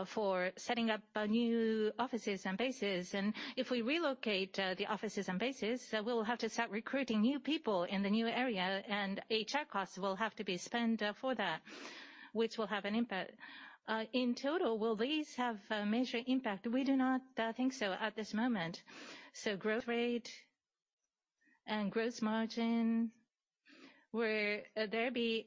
for setting up new offices and bases. If we relocate the offices and bases, we'll have to start recruiting new people in the new area and HR costs will have to be spent for that, which will have an impact. In total, will these have a major impact? We do not think so at this moment. Growth rate and gross margin, will there be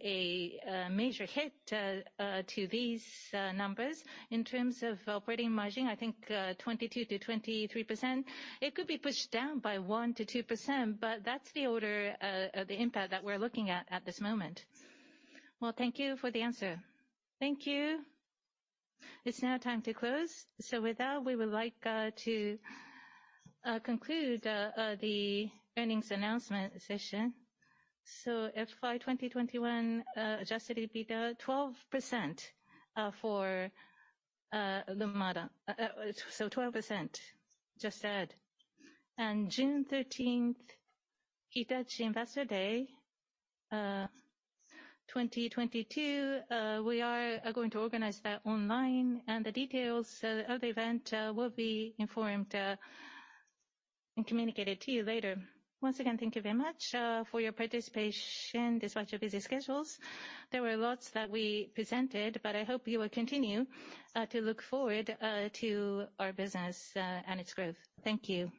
a major hit to these numbers? In terms of operating margin, I think 22%-23%, it could be pushed down by 1%-2%, but that's the order of the impact that we're looking at at this moment. Well, thank you for the answer. Thank you. It's now time to close. With that, we would like to conclude the earnings announcement session. FY 2021 Adjusted EBITA 12% for Lumada. 12% just add. June thirteenth, Hitachi Investor Day 2022, we are going to organize that online and the details of the event will be informed and communicated to you later. Once again, thank you very much for your participation despite your busy schedules. There were lots that we presented, but I hope you will continue to look forward to our business and its growth. Thank you.